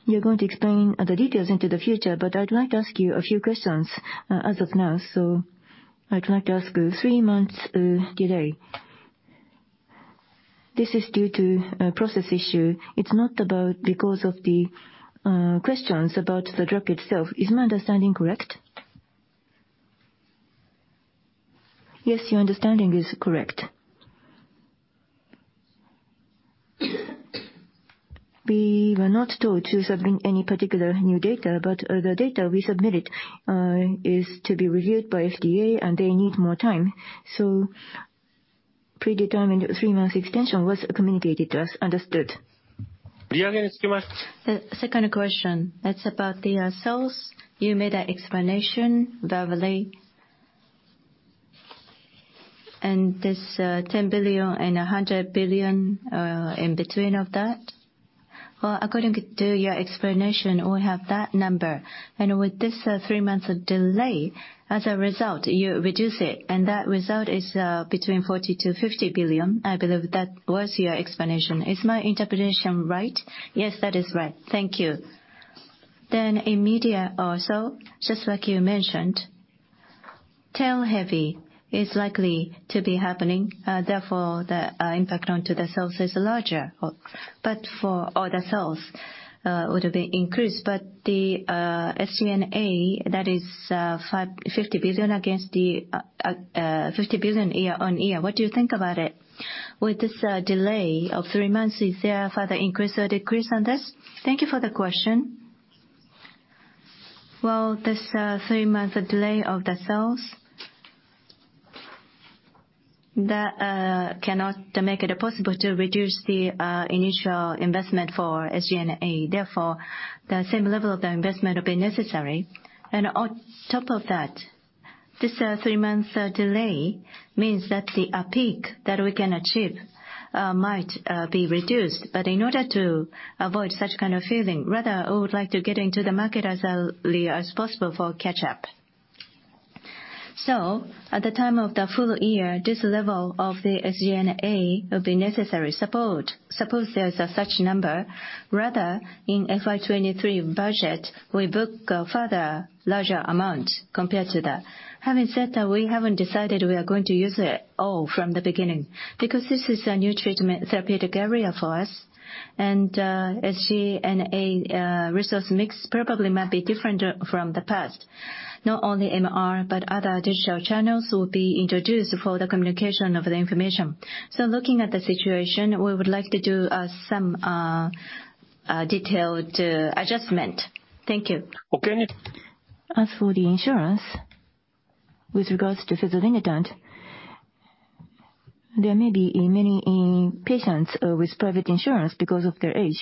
You're going to explain the details into the future, I'd like to ask you a few questions as of now. I'd like to ask, three months delay. This is due to a process issue. It's not about because of the questions about the drug itself. Is my understanding correct? Yes, your understanding is correct. We were not told to submit any particular new data, but the data we submitted is to be reviewed by FDA, and they need more time. Predetermined three-month extension was communicated to us. Understood. The second question, that's about the sales. You made an explanation verbally. This 10 billion and 100 billion in between of that. According to your explanation, we have that number. With this, three months delay, as a result, you reduce it, and that result is between 40 billion-50 billion. I believe that was your explanation. Is my interpretation right? Yes, that is right. Thank you. In media also, just like you mentioned, tail heavy is likely to be happening. Therefore, the impact onto the sales is larger. For other sales would have been increased. The SG&A, that is 50 billion against the 50 billion year-on-year. What do you think about it? With this delay of three months, is there a further increase or decrease on this? Thank you for the question. This three-month delay of the sales, that cannot make it possible to reduce the initial investment for SG&A. The same level of the investment will be necessary. On top of that, this three-month delay means that the peak that we can achieve might be reduced. In order to avoid such kind of feeling, rather I would like to get into the market as early as possible for catch up. At the time of the full year, this level of the SG&A will be necessary support. Suppose there is a such number, rather in FY2023 budget, we book a further larger amount compared to that. Having said that, we haven't decided we are going to use it all from the beginning because this is a new treatment therapeutic area for us. SG&A resource mix probably might be different from the past. Not only MR, but other digital channels will be introduced for the communication of the information. Looking at the situation, we would like to do some detailed adjustment. Thank you. Okay. As for the insurance with regards to fezolinetant. There may be many patients with private insurance because of their age.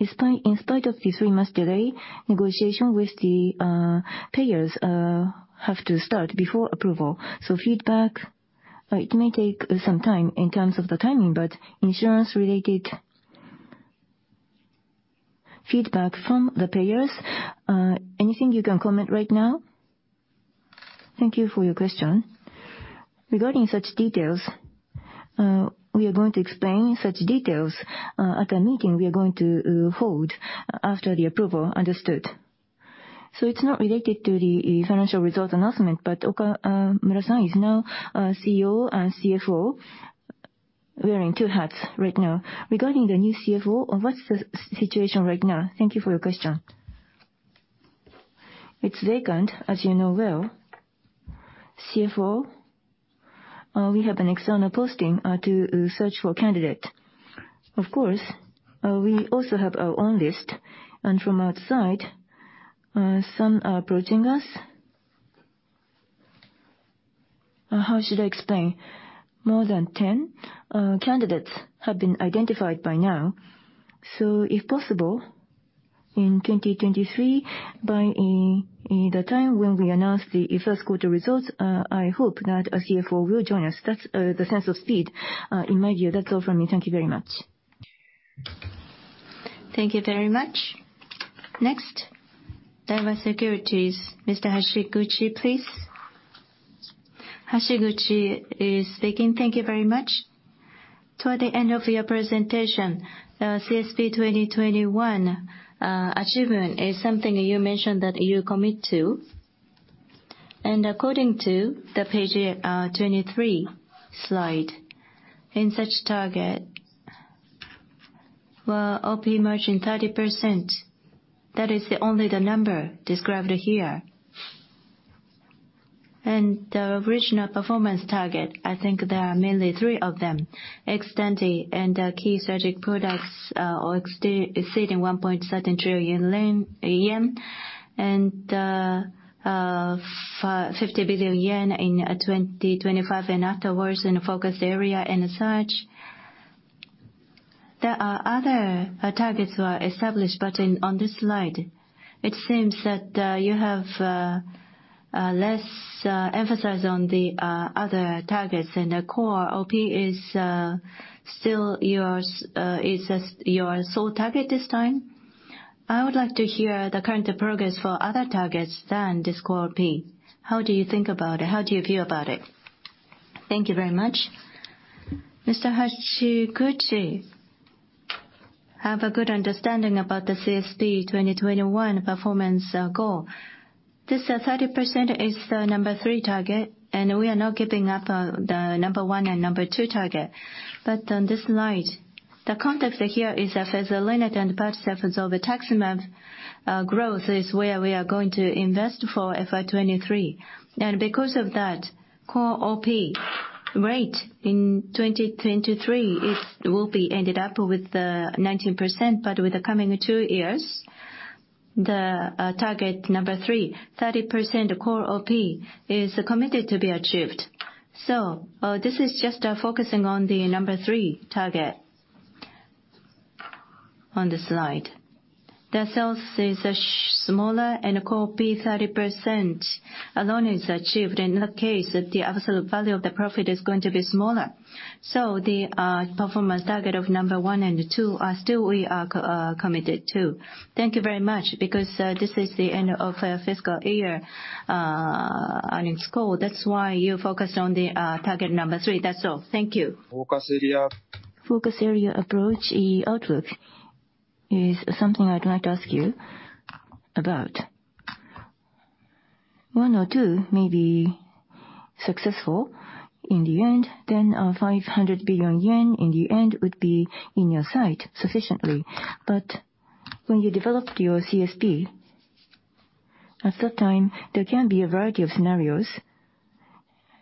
In spite of the three-month delay, negotiation with the payers have to start before approval. Feedback, it may take some time in terms of the timing, but insurance related feedback from the payers, anything you can comment right now? Thank you for your question. Regarding such details, we are going to explain such details at a meeting we are going to hold after the approval. Understood. It's not related to the financial results announcement, but Okamura is now CEO and CFO, wearing two hats right now. Regarding the new CFO, what's the situation right now? Thank you for your question. It's vacant, as you know well. CFO, we have an external posting to search for candidate. Of course, we also have our own list, and from outside, some are approaching us. How should I explain? More than 10 candidates have been identified by now. If possible, in 2023, by the time when we announce the first quarter results, I hope that a CFO will join us. That's the sense of speed in my view. That's all from me. Thank you very much. Thank you very much. Next, Daiwa Securities, Mr. Hashiguchi, please. Thank you very much. Toward the end of your presentation, CSP2021 achievement is something you mentioned that you commit to. According to the page 23 slide, in such target, OP margin 30%, that is the only number described here. The original performance target, I think there are mainly three of them. XTANDI and key strategic products or exceeding 1.7 trillion yen. 50 billion yen in 2025 and afterwards in the focus area and such. There are other targets were established, but on this slide it seems that you have less emphasis on the other targets and the core OP is still your sole target this time. I would like to hear the current progress for other targets than this core OP. How do you think about it? How do you feel about it? Thank you very much. Mr. Hashiguchi, have a good understanding about the CSP 2021 performance goal. This 30% is the number three target, and we are not giving up the number one and number two target. On this slide, the context here is that as Lenet and PADCEV and bixalomer growth is where we are going to invest for FY 2023. Because of that core OP rate in 2023, it will be ended up with 19%. With the coming two years, the target number three, 30% core OP is committed to be achieved. This is just focusing on the number three target on the slide. The sales is smaller and core OP 30% alone is achieved. In that case, the absolute value of the profit is going to be smaller. The performance target of number one and two are still we are committed to. Thank you very much. This is the end of our fiscal year earnings call, that's why you focus on the target number three. That's all. Thank you. Focus area. Focus area approach outlook is something I'd like to ask you about. one or two may be successful in the end, 500 billion yen in the end would be in your sight sufficiently. When you developed your CSP, at that time, there can be a variety of scenarios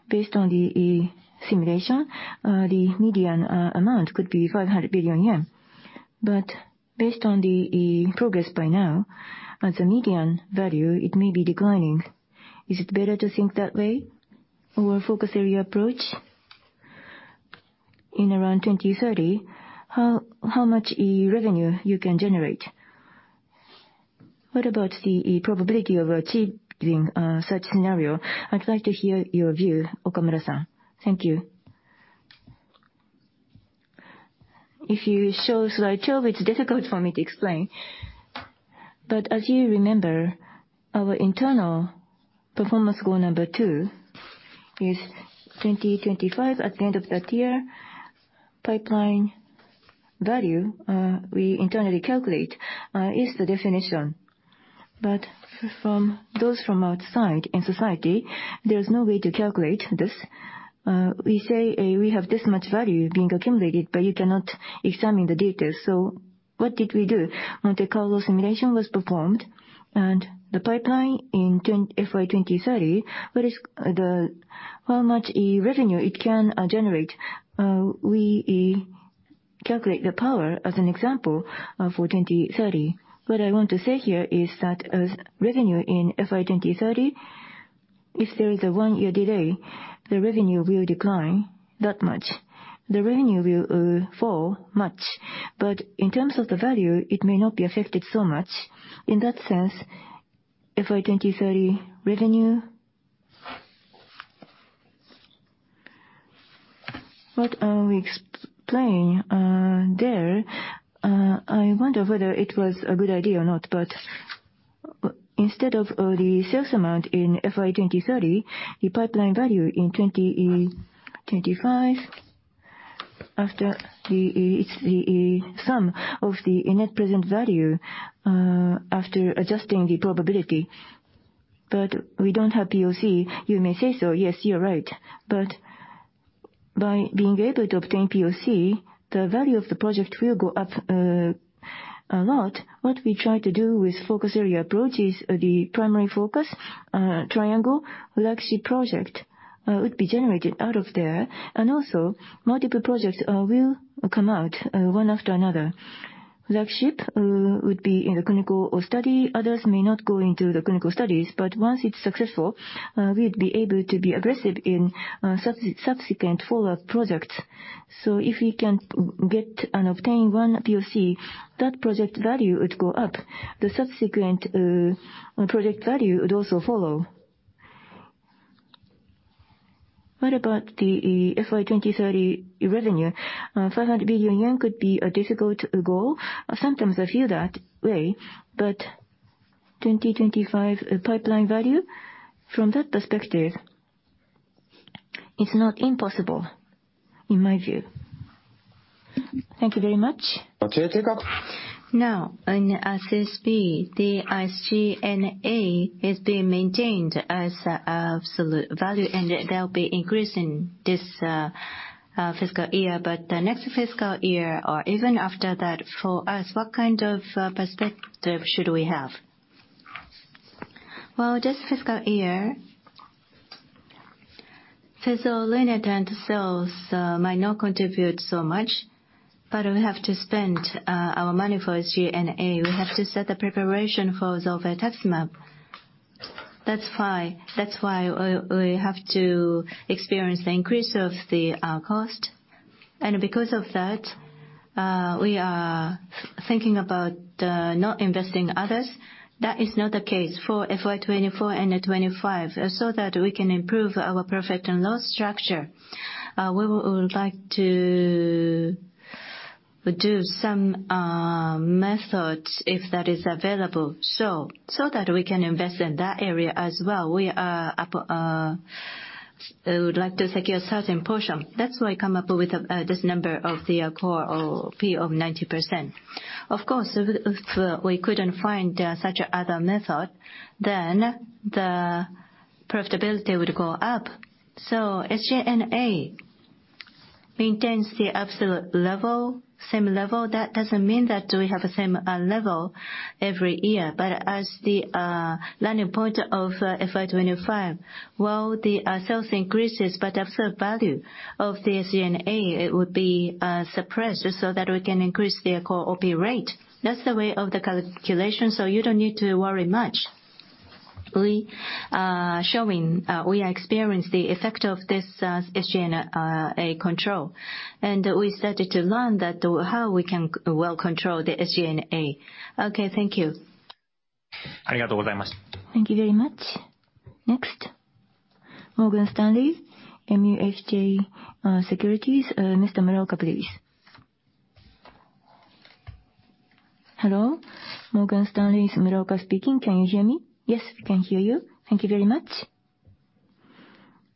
based on the simulation. The median amount could be 500 billion yen. Based on the progress by now, as a median value, it may be declining. Is it better to think that way? Focus area approach in around 2030, how much revenue you can generate? What about the probability of achieving such scenario? I'd like to hear your view, Okamura-san. Thank you. If you show slide 12, it's difficult for me to explain. As you remember, our internal performance goal number two is 2025. At the end of that year, pipeline value we internally calculate is the definition. From those from outside in society, there's no way to calculate this. We say we have this much value being accumulated, but you cannot examine the data. What did we do? Monte Carlo simulation was performed. The pipeline in ten- FY 2030, what is the, how much revenue it can generate? We calculate the power as an example for 2030. What I want to say here is that as revenue in FY 2030, if there is a 1-year delay, the revenue will decline that much. The revenue will fall much. In terms of the value, it may not be affected so much. In that sense, FY 2030 revenue... What we explain there, I wonder whether it was a good idea or not. Instead of the sales amount in FY 2030, the pipeline value in 2025, after the, it's the sum of the net present value, after adjusting the probability. We don't have POC, you may say so. Yes, you're right. By being able to obtain POC, the value of the project will go up a lot. What we try to do with focus area approach is the primary focus triangle, flagship project would be generated out of there. Also multiple projects will come out one after another. Flagship would be in the clinical study. Others may not go into the clinical studies. Once it's successful, we'd be able to be aggressive in sub-subsequent follow-up projects. If we can get and obtain one POC, that project value would go up. The subsequent project value would also follow. What about the FY 2030 revenue? 500 billion yen could be a difficult goal. Sometimes I feel that way. 2025 pipeline value, from that perspective, it's not impossible in my view. Thank you very much. Okay, Taka. Now in SSP, the SG&A is being maintained as absolute value, and they'll be increasing this fiscal year. The next fiscal year or even after that for us, what kind of perspective should we have? Well, this fiscal year, fezolinetant sales might not contribute so much, but we have to spend our money for SG&A. We have to set the preparation for zolbetuximab. That's why we have to experience the increase of the cost. Because of that, we are thinking about not investing others. That is not the case for FY2024 and 2025. That we can improve our profit and loss structure, we would like to do some methods if that is available. So that we can invest in that area as well, we would like to secure a certain portion. That's why I come up with this number of the core OP of 90%. Of course, if we couldn't find such other method, then the profitability would go up. SG&A maintains the absolute level, same level. That doesn't mean that we have the same level every year. As the landing point of FY2025, while the sales increases, but absolute value of the SG&A, it would be suppressed so that we can increase the core OP rate. That's the way of the calculation, so you don't need to worry much. We showing we are experienced the effect of this SG&A control. We started to learn that how we can well control the SG&A. Okay, thank you. Thank you very much. Thank you very much. Next, Morgan Stanley MUFG Securities, Mr. Muraoka please. Hello, Morgan Stanley's Muraoka speaking. Can you hear me? Yes, we can hear you. Thank you very much.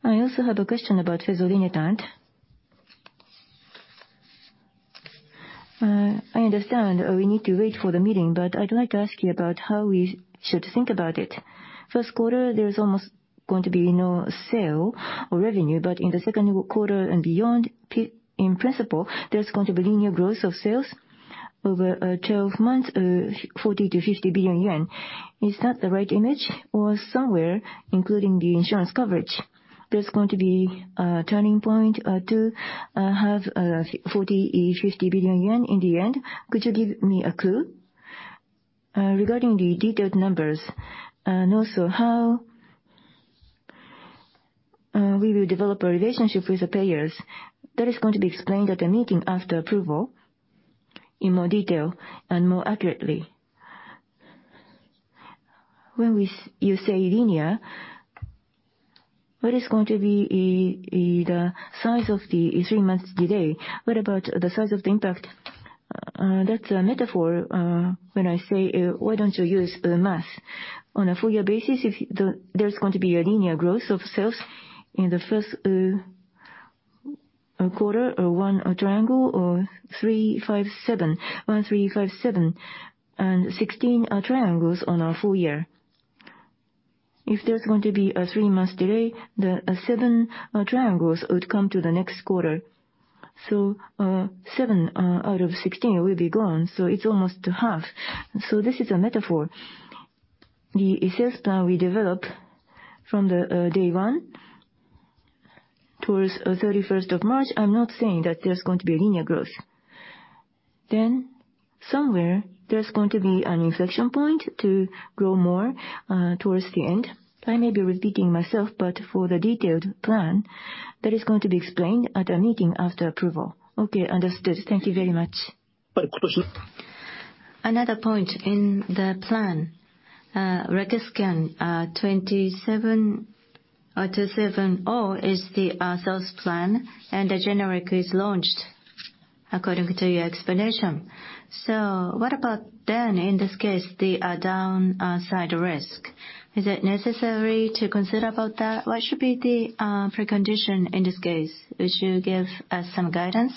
I also have a question about fezolinetant. I understand we need to wait for the meeting, but I'd like to ask you about how we should think about it. First quarter, there is almost going to be no sale or revenue. In the second quarter and beyond, in principle, there's going to be linear growth of sales over 12 months, JPY 40 billion-JPY 50 billion. Is that the right image? Or somewhere, including the insurance coverage, there's going to be a turning point to have 40 billion, 50 billion yen in the end. Could you give me a clue? Regarding the detailed numbers, and also how we will develop a relationship with the payers, that is going to be explained at the meeting after approval in more detail and more accurately. When you say linear, what is going to be the size of the three months delay? What about the size of the impact? That's a metaphor, when I say, why don't you use the math. On a full year basis, if there's going to be a linear growth of sales in the first quarter or one triangle or 3, 5, 7. 1, 3, 5, 7, and 16 triangles on our full year. If there's going to be a three months delay, the seven triangles would come to the next quarter. Seven out of 16 will be gone, so it's almost half. This is a metaphor. The sales plan we developed from the day one to be an inflection point to grow more towards the end. I may be repeating myself, but for the detailed plan, that is going to be explained at a meeting after approval. Okay. Understood. Thank you very much. One question. Another point in the plan, Lexiscan, 27,270 is the sales plan, and the generic is launched according to your explanation. What about then, in this case, the downside risk? Is it necessary to consider about that? What should be the precondition in this case? Would you give us some guidance?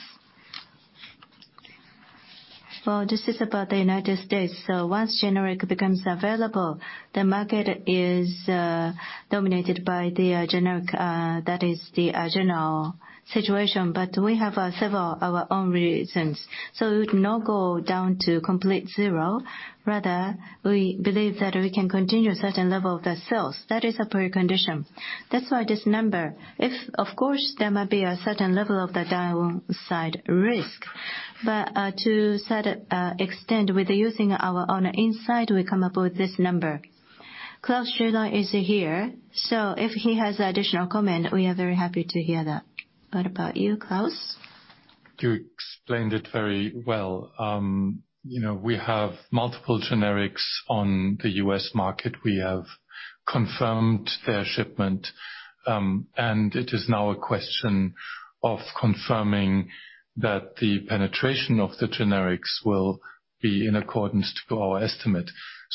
Well, this is about the United States. Once generic becomes available, the market is dominated by the generic that is the general situation. We have several our own reasons. It would not go down to complete zero. Rather, we believe that we can continue certain level of the sales. That is a precondition. That's why this number. Of course, there might be a certain level of the downside risk, but to set extend with using our own insight, we come up with this number. Claus Zieler is here, if he has additional comment, we are very happy to hear that. What about you, Claus? You explained it very well. You know, we have multiple generics on the U.S. market. We have confirmed their shipment, and it is now a question of confirming that the penetration of the generics will be in accordance to our estimate.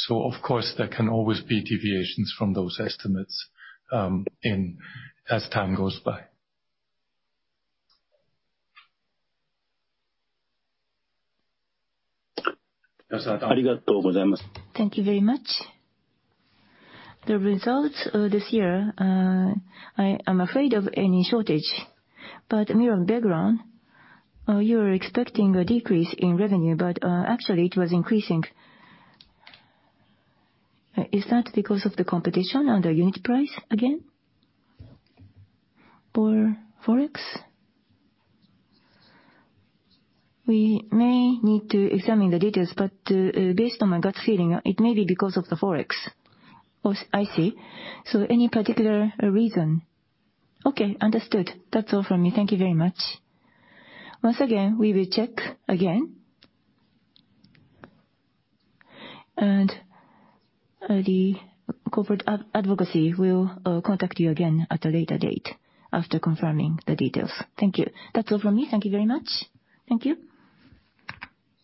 Of course, there can always be deviations from those estimates, as time goes by. Thank you very much. The results this year, I'm afraid of any shortage, but year on background, you're expecting a decrease in revenue, but actually it was increasing. Is that because of the competition and the unit price again or Forex? We may need to examine the details, but based on my gut feeling, it may be because of the Forex. Oh, I see. Any particular reason? Okay, understood. That's all from me. Thank you very much. Once again, we will check again. The corporate advocacy will contact you again at a later date after confirming the details. Thank you. That's all from me. Thank you very much. Thank you.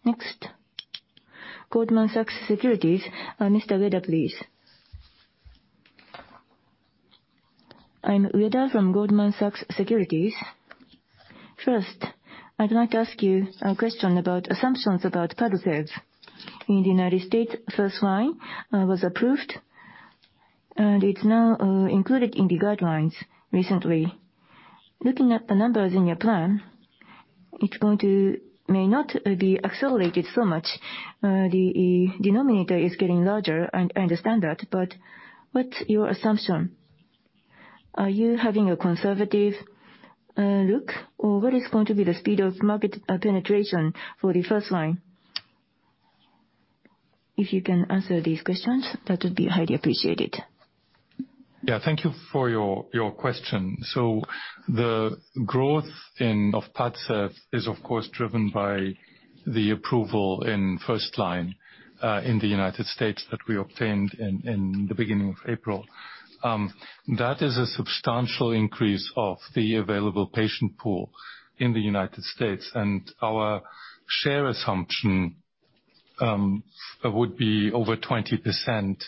Next, Goldman Sachs Japan, Mr. Ueda, please. I'm Ueda from Goldman Sachs Japan. First, I'd like to ask you a question about assumptions about PADCEV. In the United States, first-line, was approved and it's now included in the guidelines recently. Looking at the numbers in your plan, it's going to may not be accelerated so much. The denominator is getting larger and I understand that. What's your assumption? Are you having a conservative look, or what is going to be the speed of market penetration for the first line? If you can answer these questions, that would be highly appreciated. Thank you for your question. The growth of PADCEV is of course driven by the approval in first line in the United States that we obtained in the beginning of April. That is a substantial increase of the available patient pool in the United States. Our share assumption would be over 20%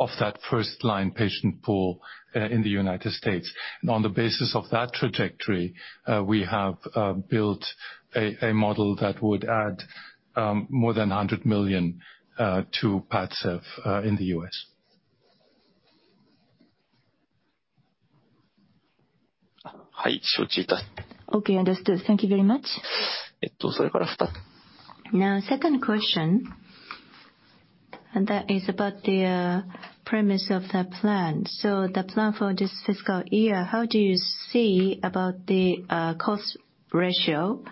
of that first-line patient pool in the United States. On the basis of that trajectory, we have built a model that would add more than $100 million to PADCEV in the U.S.. Okay, understood. Thank you very much. Second question, and that is about the premise of the plan. The plan for this fiscal year, how do you see about the cost ratio?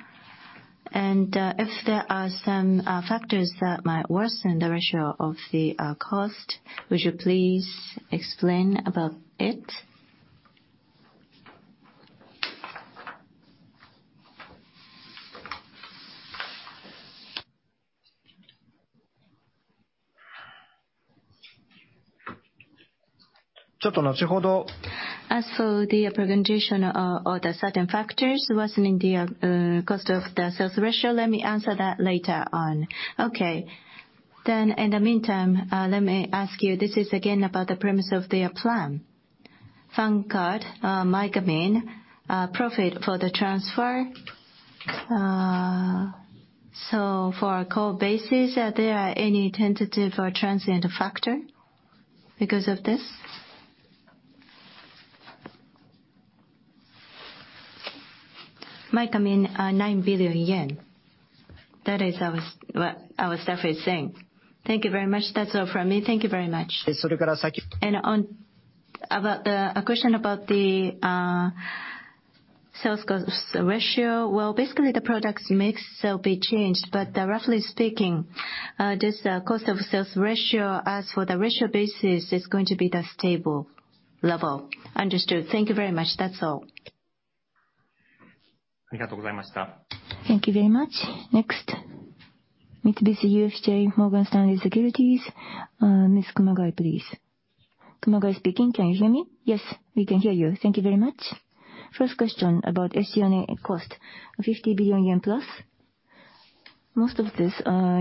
If there are some factors that might worsen the ratio of the cost, would you please explain about it? As for the presentation of the certain factors worsening the cost of the sales ratio, let me answer that later on. Okay. In the meantime, let me ask you, this is again about the premise of their plan. Fanapt, MYCAMINE, profit for the transfer. So for our core bases, are there any tentative or transient factor because of this? Might come in, 9 billion yen. That is what our staff is saying. Thank you very much. That's all from me. Thank you very much. On, about the, a question about the sales cost ratio. Well, basically the products mix will be changed, but roughly speaking, this cost of sales ratio as for the ratio basis is going to be the stable level. Understood. Thank you very much. That's all. Thank you very much. Next, Mitsubishi UFJ Morgan Stanley Securities, Ms. Kumagai, please. Can you hear me? Yes, we can hear you. Thank you very much. First question about SG&A cost, 50 billion yen+. Most of this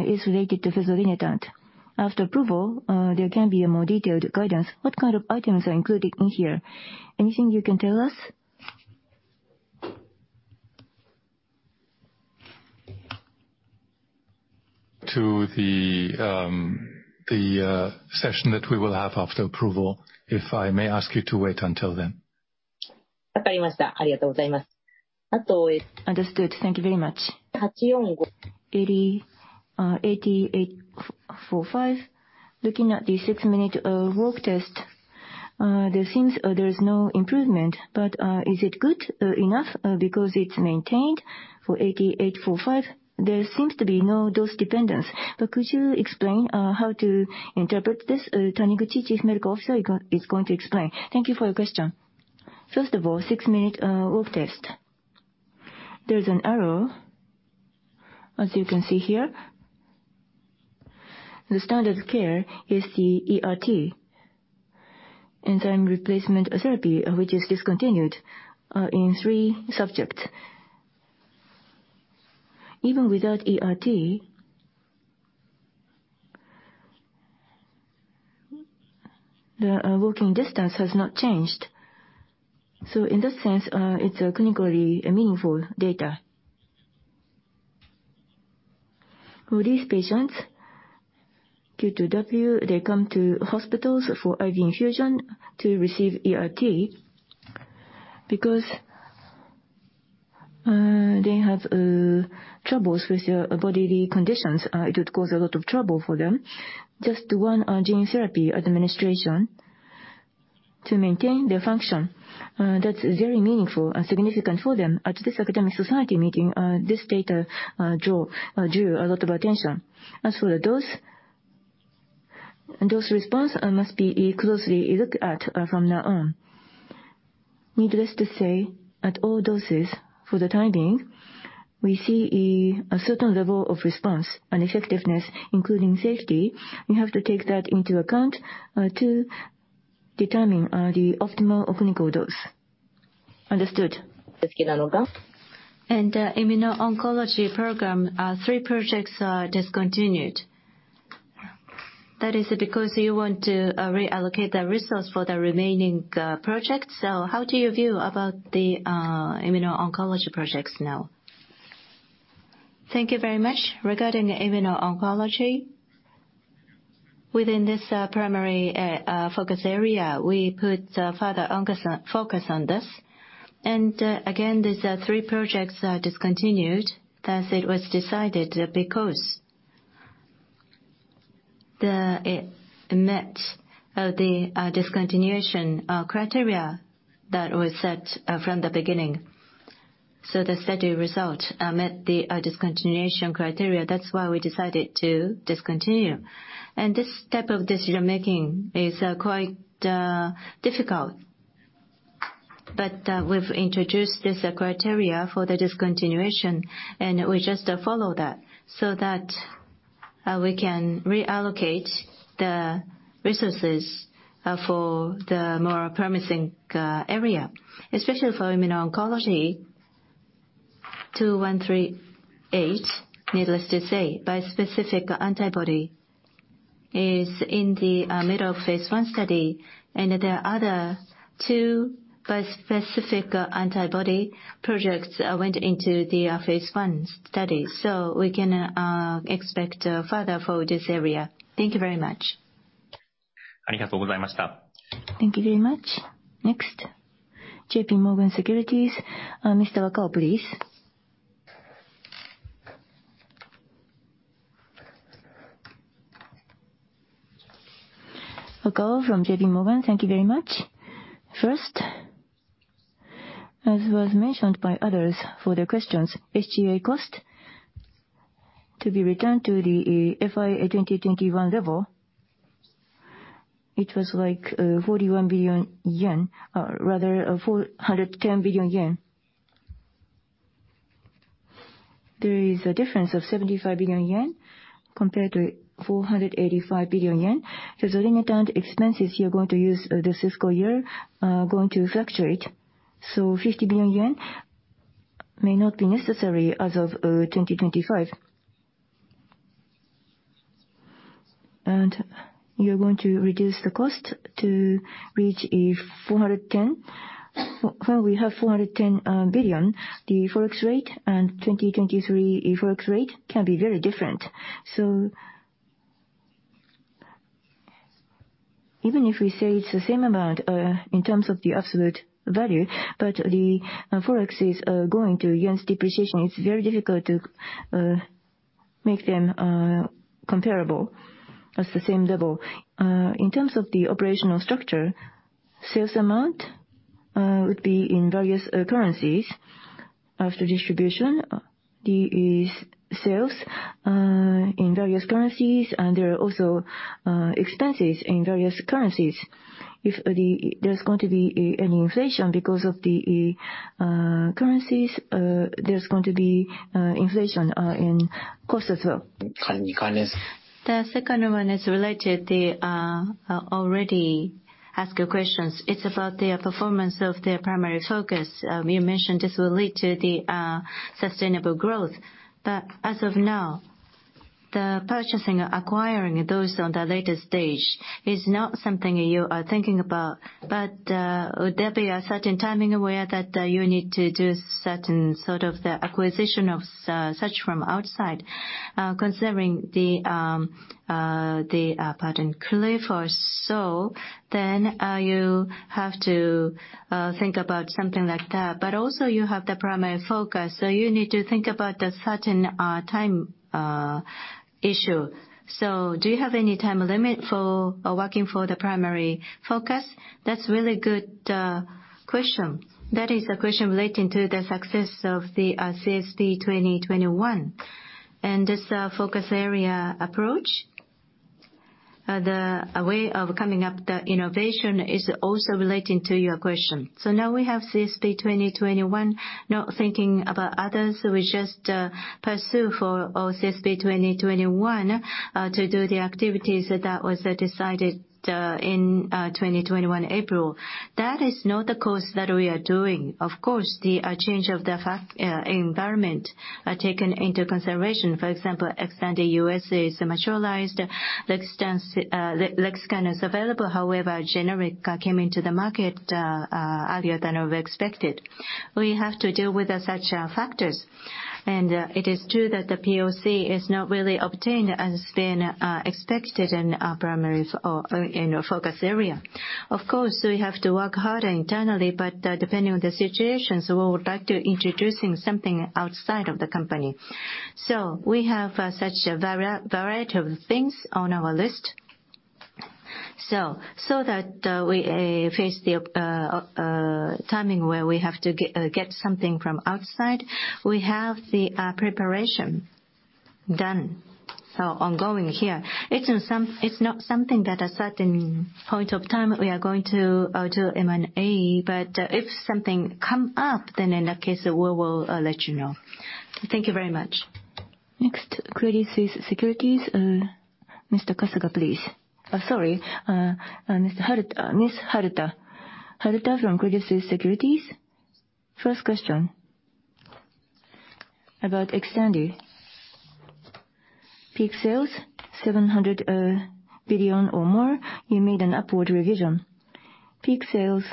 is related to fezolinetant. After approval, there can be a more detailed guidance. What kind of items are included in here? Anything you can tell us? To the, session that we will have after approval, if I may ask you to wait until then. Understood. Thank you very much. AT845. Looking at the six-minute walk test, there seems there is no improvement, but is it good enough because it's maintained for AT845? There seems to be no dose dependence, but could you explain how to interpret this? Taniguchi, Chief Medical Officer, is going to explain. Thank you for your question. First of all, six-minute walk test. There is an arrow, as you can see here. The standard care is the ERT, enzyme replacement therapy, which is discontinued in three subjects. Even without ERT, the walking distance has not changed. In that sense, it's a clinically meaningful data. For these patients, Q2W, they come to hospitals for IV infusion to receive ERT because they have troubles with their bodily conditions. It would cause a lot of trouble for them. Just one gene therapy administration to maintain their function, that's very meaningful and significant for them. At this academic society meeting, this data drew a lot of attention. As for the dose and dose response, must be closely looked at from now on. Needless to say, at all doses for the time being, we see a certain level of response and effectiveness, including safety. We have to take that into account to determine the optimal clinical dose. Understood. Immuno-oncology program, three projects are discontinued. That is because you want to reallocate the resource for the remaining projects. How do you view about the immuno-oncology projects now? Thank you very much. Regarding immuno-oncology, within this primary focus area, we put further onco focus on this. Again, these three projects are discontinued as it was decided because it met the discontinuation criteria that was set from the beginning. The study result met the discontinuation criteria. That's why we decided to discontinue. This type of decision-making is, quite, difficult. We've introduced this criteria for the discontinuation, and we just follow that so that, we can reallocate the resources, for the more promising, area. Especially for immuno-oncology, ASP2138, needless to say, bispecific antibody is in the middle of Phase I study. There are other two bispecific antibody projects went into the Phase I study. We can expect further for this area. Thank you very much. Thank you very much. Next, JPMorgan Securities, Mr. Wakao, please. Wakao from JP Morgan. Thank you very much. First, as was mentioned by others for their questions, SG&A cost to be returned to the FY 2021 level. It was like 41 billion yen, rather, 410 billion yen. There is a difference of 75 billion yen compared to 485 billion yen. The fezolinetant expenses you're going to use this fiscal year are going to fluctuate. 50 billion yen may not be necessary as of 2025. You're going to reduce the cost to reach 410 billion. Well, we have 410 billion. The Forex rate and 2023 Forex rate can be very different. Even if we say it's the same amount, in terms of the absolute value, but the Forex is going to against depreciation, it's very difficult to make them comparable at the same level. In terms of the operational structure, sales amount would be in various currencies. After distribution, sales in various currencies and there are also expenses in various currencies. If there's going to be an inflation because of the currencies, there's going to be inflation in cost as well. The second one is related to already asked questions. It's about the performance of the primary focus. You mentioned this will lead to the sustainable growth. As of now, the purchasing, acquiring those on the later stage is not something you are thinking about. Would there be a certain timing where that you need to do certain sort of the acquisition of such from outside, considering the pardon, cliff or so, you have to think about something like that. You have the primary focus, you need to think about the certain time issue. Do you have any time limit for working for the primary focus? That's really good question. That is a question relating to the success of the CSP 2021. This focus area approach, the way of coming up the innovation is also relating to your question. Now we have CSP 2021, not thinking about others. We just pursue for our CSP2021 to do the activities that was decided in April 2021. That is not the course that we are doing. Of course, the change of the environment are taken into consideration. For example, XTANDI U.S. is materialized, Lexiscan is available. However, generic came into the market earlier than we expected. We have to deal with such factors. It is true that the POC is not really obtained as been expected in our primary or in our focus area. Of course, we have to work harder internally, but depending on the situations, we would like to introducing something outside of the company. We have such a variety of things on our list. That we face the timing where we have to get something from outside. We have the preparation done, ongoing here. It's not something that a certain point of time we are going to do M&A, if something come up, in that case, we will let you know. Thank you very much. Next, Credit Suisse Securities, Mr. Kasuga, please. Sorry, Ms. Haruta. Haruta from Credit Suisse Securities. First question about XTANDI. Peak sales 700 billion or more, you made an upward revision. Peak sales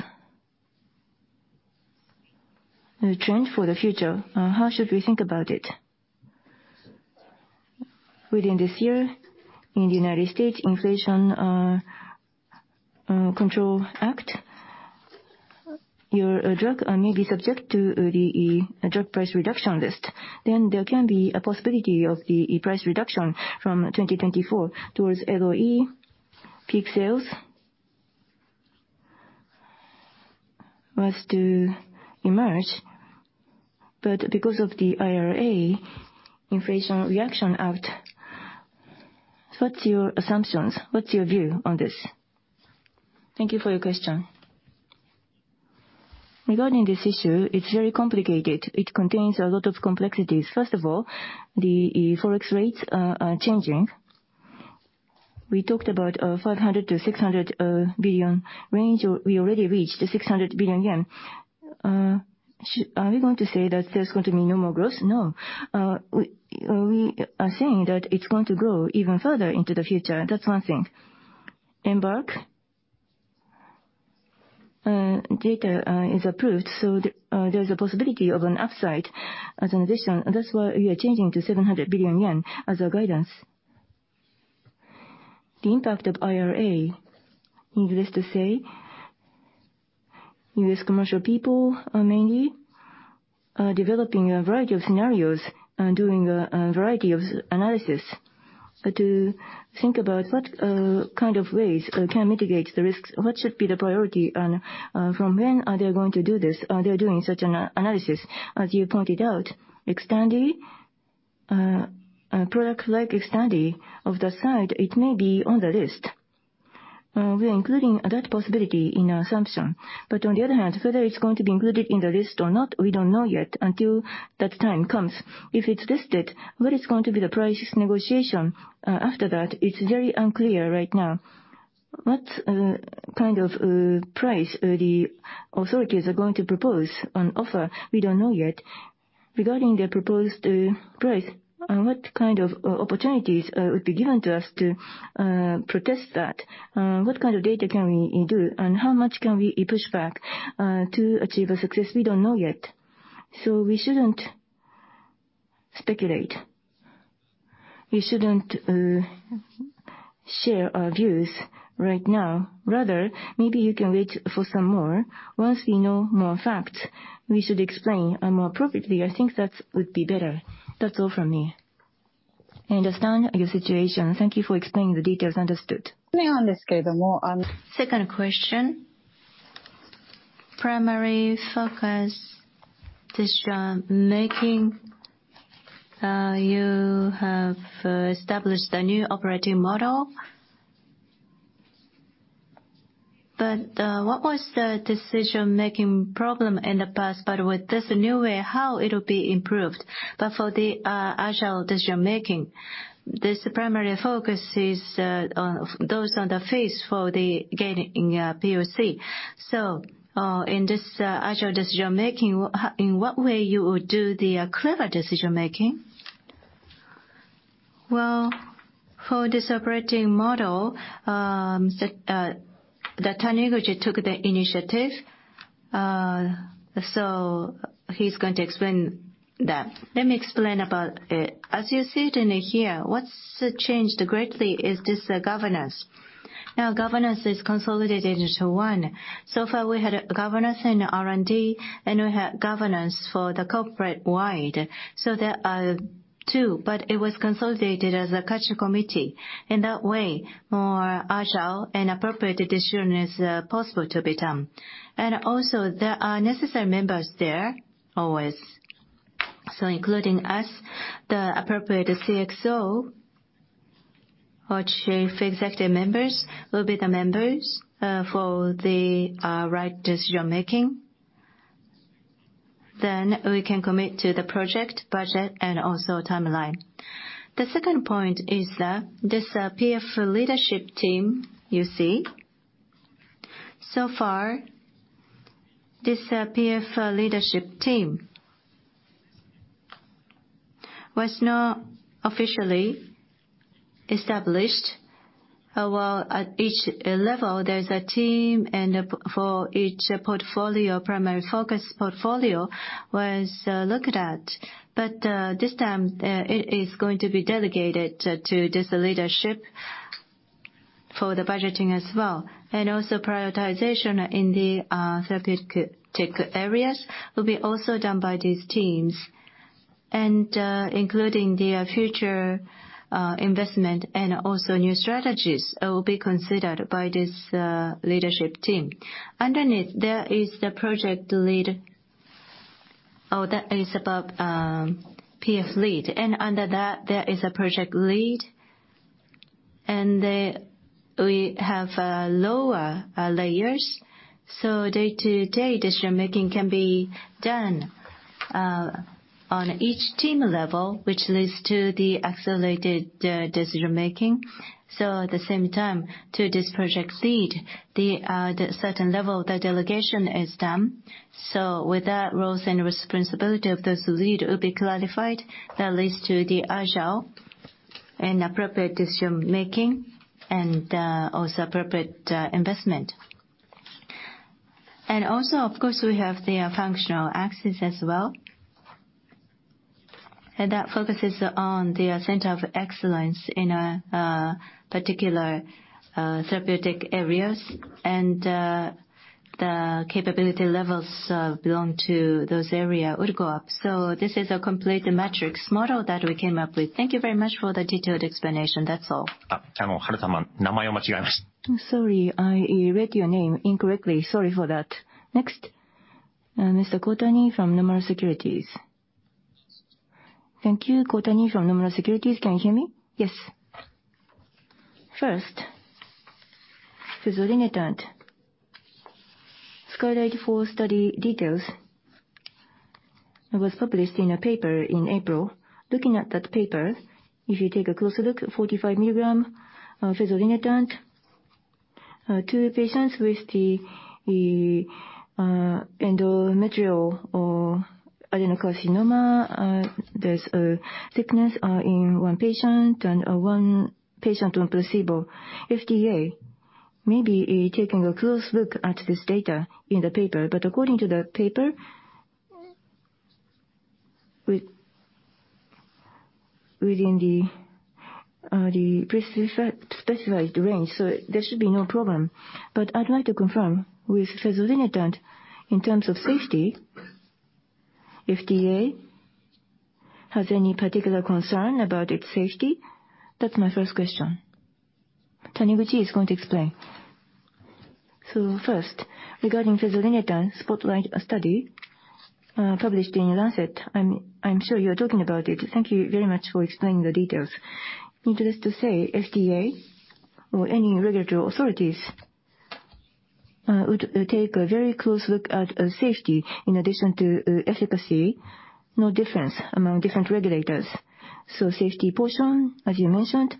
trend for the future, how should we think about it? Within this year in the U.S. Inflation Reduction Act, your drug may be subject to the drug price reduction list. There can be a possibility of the price reduction from 2024 towards ROE. Peak sales must emerge, but because of the IRA Inflation Reduction Act, what's your assumptions? What's your view on this? Thank you for your question. Regarding this issue, it's very complicated. It contains a lot of complexities. First of all, the Forex rates are changing. We talked about 500 billion-600 billion range. We already reached 600 billion yen. Are we going to say that there's going to be no more growth? No. We are saying that it's going to grow even further into the future. That's one thing. EMBARK data is approved, so there's a possibility of an upside as an addition. That's why we are changing to 700 billion yen as a guidance. The impact of IRA, needless to say, U.S. commercial people are mainly developing a variety of scenarios and doing a variety of analysis to think about what kind of ways can mitigate the risks. What should be the priority and from when are they going to do this? Are they doing such analysis? As you pointed out, XTANDI products like XTANDI of the side, it may be on the list. We are including that possibility in our assumption. On the other hand, whether it's going to be included in the list or not, we don't know yet until that time comes. If it's listed, what is going to be the price negotiation after that? It's very unclear right now. What kind of price the authorities are going to propose and offer, we don't know yet. Regarding the proposed price and what kind of opportunities would be given to us to protest that, what kind of data can we do and how much can we push back to achieve a success? We don't know yet. We shouldn't speculate. We shouldn't share our views right now. Maybe you can wait for some more. Once we know more facts, we should explain more appropriately. I think that would be better. That's all from me. I understand your situation. Thank you for explaining the details. Understood. Second question. Primary focus decision making, you have established a new operating model. What was the decision-making problem in the past? With this new way, how it will be improved? For the agile decision making, this primary focus is on those on the phase for the gaining POC. In this agile decision making, in what way you would do the clever decision making? Well, for this operating model, that Taniguchi took the initiative. He's going to explain that. Let me explain about it. As you see it in here, what's changed greatly is this governance. Now, governance is consolidated into one. So far we had governance in R&D, and we had governance for the corporate wide. There are two, but it was consolidated as a culture committee. In that way, more agile and appropriate decision is possible to be done. There are necessary members there always. Including us, the appropriate CXO or chief executive members will be the members for the right decision making. We can commit to the project budget and also timeline. The second point is that this PF leadership team you see. So far, this PF leadership team was not officially established. Well, at each level there is a team and for each portfolio, primary focus portfolio was looked at. This time, it is going to be delegated to this leadership for the budgeting as well. Prioritization in the therapeutic areas will be also done by these teams. Including the future investment and also new strategies will be considered by this leadership team. Underneath, there is the project lead. That is about PF lead. Under that, there is a project lead. We have lower layers. Day-to-day decision making can be done on each team level, which leads to the accelerated decision making. At the same time, to this project lead, the certain level, the delegation is done. With that, roles and responsibility of this lead will be clarified. That leads to the agile and appropriate decision making and also appropriate investment. Also, of course, we have the functional access as well. That focuses on the center of excellence in a particular therapeutic areas. The capability levels belong to those area would go up. This is a complete metrics model that we came up with. Thank you very much for the detailed explanation. That's all. Sorry, I read your name incorrectly. Sorry for that. Next, Mr. Kotani from Nomura Securities. Thank you. Kotani from Nomura Securities, can you hear me? Yes. First, fezolinetant. SKYLIGHT 4 study details was published in a paper in April. Looking at that paper, if you take a closer look, 45 mg of fezolinetant to patients with the endometrial or adenocarcinoma, there's a thickness in one patient and one patient on placebo. FDA may be taking a close look at this data in the paper. According to the paper, within the specified range, there should be no problem. I'd like to confirm with fezolinetant in terms of safety, FDA has any particular concern about its safety? That's my first question. Taniguchi is going to explain. First, regarding fezolinetant spotlight study, published in The Lancet, I'm sure you're talking about it. Thank you very much for explaining the details. Needless to say, FDA or any regulatory authorities would take a very close look at safety in addition to efficacy. No difference among different regulators. Safety portion, as you mentioned,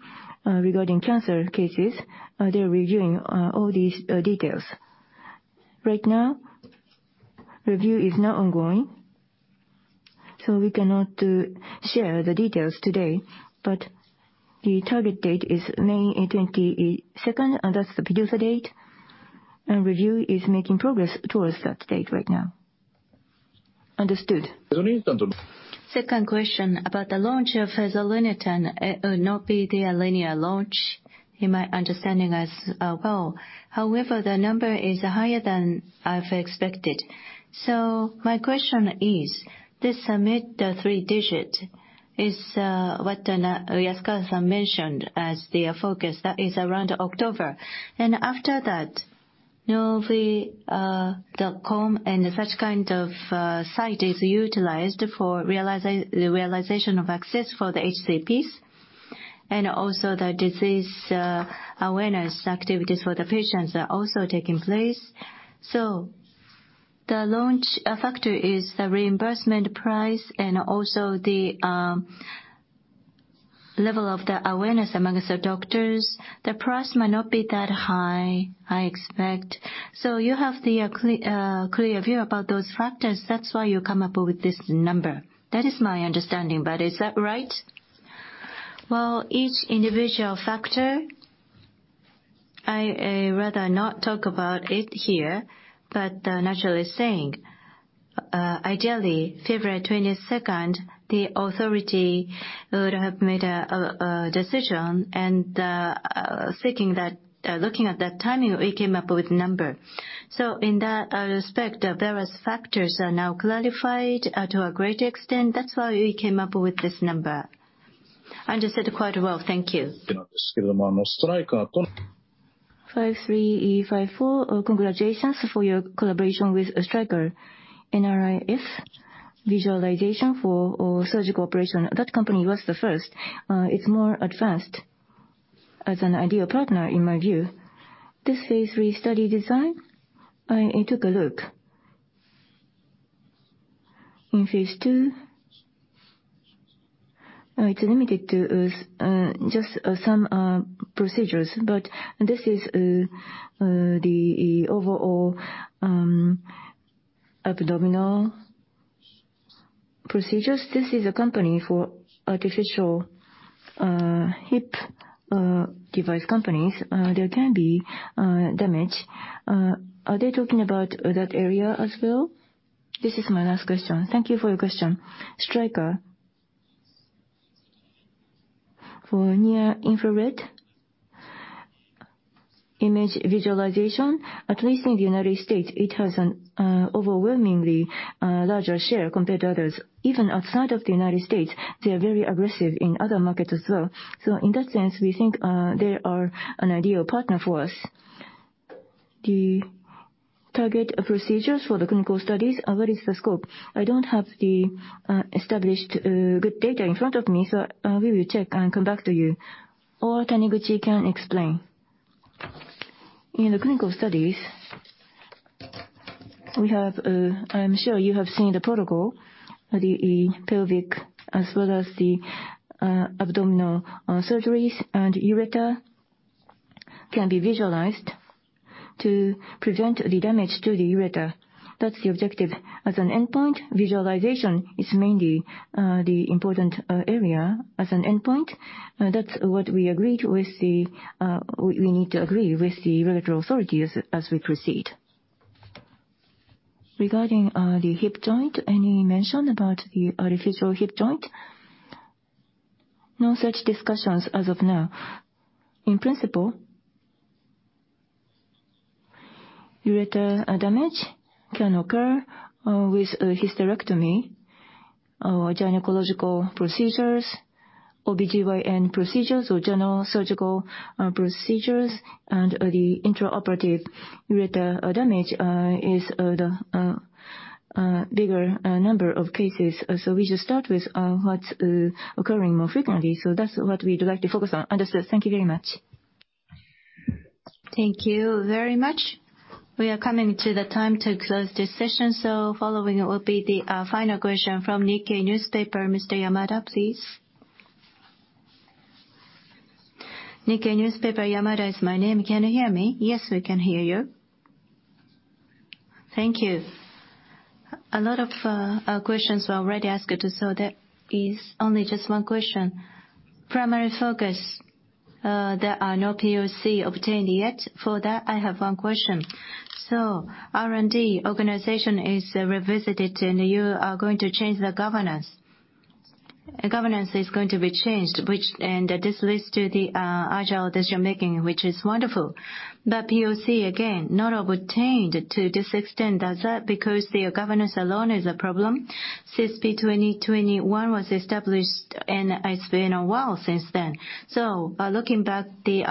regarding cancer cases, they're reviewing all these details. Right now, review is now ongoing, so we cannot share the details today, but the target date is May 22nd, and that's the PDUFA date. Review is making progress towards that date right now. Understood. Second question about the launch of fezolinetant, it will not be the linear launch in my understanding as well. However, the number is higher than I've expected. My question is, this submit the three digit is what Shitaka-san mentioned as their focus. That is around October. After that, you know, the comm and such kind of site is utilized for realization, the realization of access for the HCPs, and also the disease awareness activities for the patients are also taking place. The launch factor is the reimbursement price and also the level of the awareness amongst the doctors. The price may not be that high, I expect. You have the clear view about those factors, that's why you come up with this number. That is my understanding. Is that right? Well, each individual factor, I rather not talk about it here. Naturally saying, ideally February 22nd, the authority would have made a decision and seeking that, looking at that timing, we came up with number. In that respect, the various factors are now clarified to a great extent. That's why we came up with this number. Understood quite well. Thank you. 53E54, congratulations for your collaboration with Stryker. NIR-F visualization for surgical operation, that company was the first. It's more advanced as an ideal partner in my view. This Phase III study design, I took a look. In Phase II, it's limited to just some procedures, but this is the overall abdominal procedures. This is a company for artificial hip device companies. There can be damage. Are they talking about that area as well? This is my last question. Thank you for your question. Stryker, for near-infrared fluorescence image visualization, at least in the United States, it has an overwhelmingly larger share compared to others. Even outside of the United States, they are very aggressive in other markets as well. In that sense, we think they are an ideal partner for us. The target procedures for the clinical studies, what is the scope? I don't have the established good data in front of me, so we will check and come back to you. Taniguchi can explain. In the clinical studies, we have, I'm sure you have seen the protocol, the pelvic as well as the abdominal surgeries and ureter can be visualized to prevent the damage to the ureter. That's the objective. As an endpoint, visualization is mainly the important area as an endpoint. That's what we agreed with, we need to agree with the regulatory authorities as we proceed. Regarding the hip joint, any mention about the artificial hip joint? No such discussions as of now. In principle, ureter damage can occur with a hysterectomy or gynecological procedures, OBGYN procedures or general surgical procedures and the intraoperative ureter damage is the bigger number of cases. So we just start with what's occurring more frequently. So that's what we'd like to focus on. Understood. Thank you very much. Thank you very much. We are coming to the time to close this session. Following will be the final question from Nikkei Newspaper. Mr. Yamada, please. Nikkei Newspaper, Yamada is my name. Can you hear me? Yes, we can hear you. Thank you. A lot of questions were already asked, so there is only just one question. Primary focus, there are no POC obtained yet. For that, I have one question. R&D organization is revisited and you are going to change the governance. Governance is going to be changed, which, and this leads to the agile decision-making, which is wonderful. POC, again, not obtained to this extent. Is that because the governance alone is a problem? CSP2021 was established and it's been a while since then. By looking back the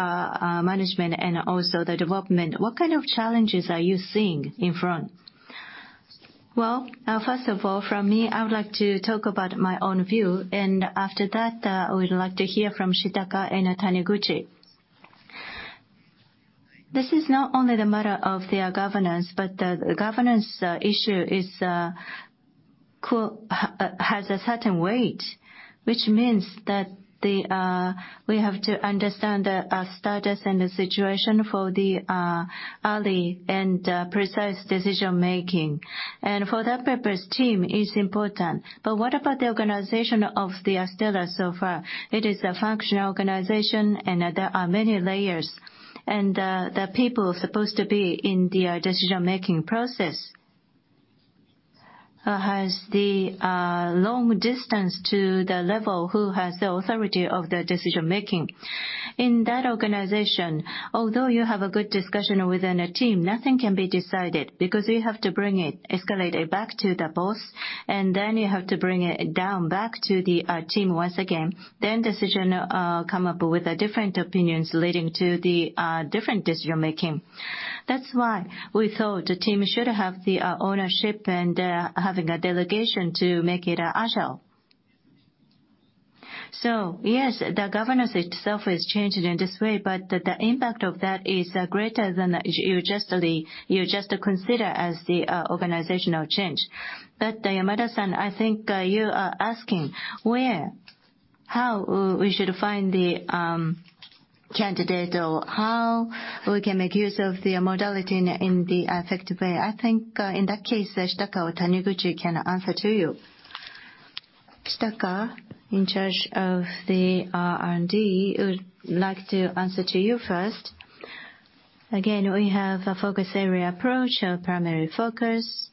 management and also the development, what kind of challenges are you seeing in front? Well, first of all, from me, I would like to talk about my own view. After that, I would like to hear from Shitaka and Taniguchi. This is not only the matter of their governance, but the governance issue is has a certain weight, which means that we have to understand the status and the situation for the early and precise decision-making. For that purpose, team is important. What about the organization of Astellas so far? It is a functional organization and there are many layers. The people supposed to be in the decision-making process has the long distance to the level who has the authority of the decision-making. In that organization, although you have a good discussion within a team, nothing can be decided because we have to bring it, escalate it back to the boss, and then you have to bring it down back to the team once again. Decision come up with different opinions leading to the different decision-making. That's why we thought the team should have the ownership and having a delegation to make it agile. Yes, the governance itself is changed in this way, but the impact of that is greater than you just consider as the organizational change. Yamada-san, I think, you are asking where, how we should find the candidate or how we can make use of the modality in a, in the effective way. I think, in that case, Shitaka or Taniguchi can answer to you. Shitaka, in charge of the R&D, would like to answer to you first. We have a focus area approach, a primary focus.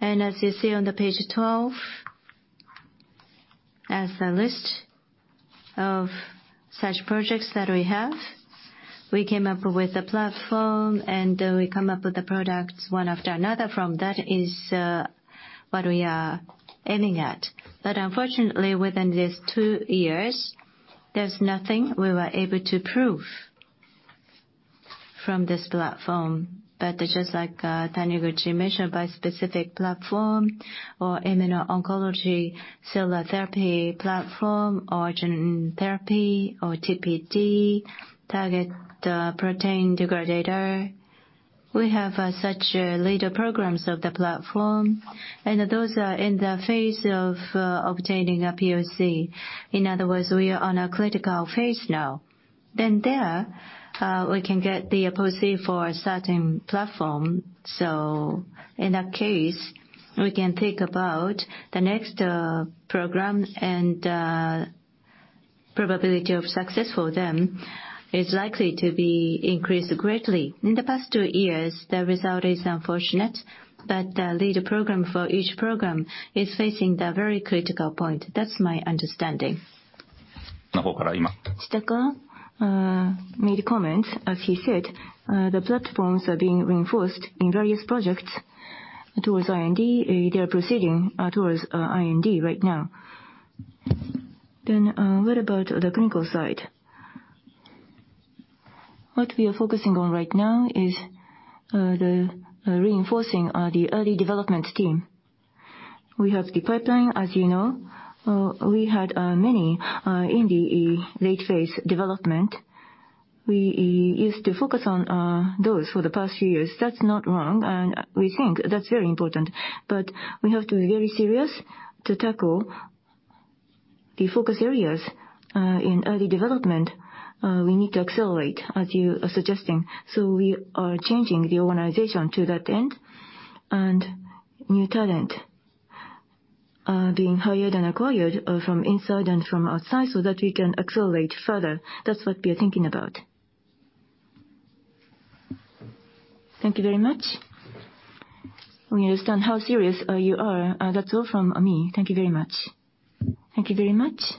As you see on the page 12, as a list of such projects that we have, we came up with a platform and we come up with the products one after another from that is what we are aiming at. Unfortunately, within these two years, there's nothing we were able to prove from this platform. Just like Taniguchi mentioned, bispecific platform or immuno-oncology cellular therapy platform or gene therapy or TPD, Target Protein Degradator, we have such leader programs of the platform. Those are in the phase of obtaining a POC. In other words, we are on a critical Phase now. There, we can get the POC for a certain platform. In that case, we can think about the next program and probability of success for them is likely to be increased greatly. In the past two years, the result is unfortunate, but the leader program for each program is facing the very critical point. That's my understanding. Shitaka made a comment. As he said, the platforms are being reinforced in various projects towards IND. They are proceeding towards IND right now. What about the clinical side? What we are focusing on right now is the reinforcing the early development team. We have the pipeline, as you know. We had many in the late phase development. We used to focus on those for the past few years. That's not wrong, and we think that's very important. We have to be very serious to tackle the focus areas in early development. We need to accelerate, as you are suggesting. We are changing the organization to that end and new talent being hired and acquired from inside and from outside so that we can accelerate further. That's what we are thinking about. Thank you very much. We understand how serious you are. That's all from me. Thank you very much. Thank you very much.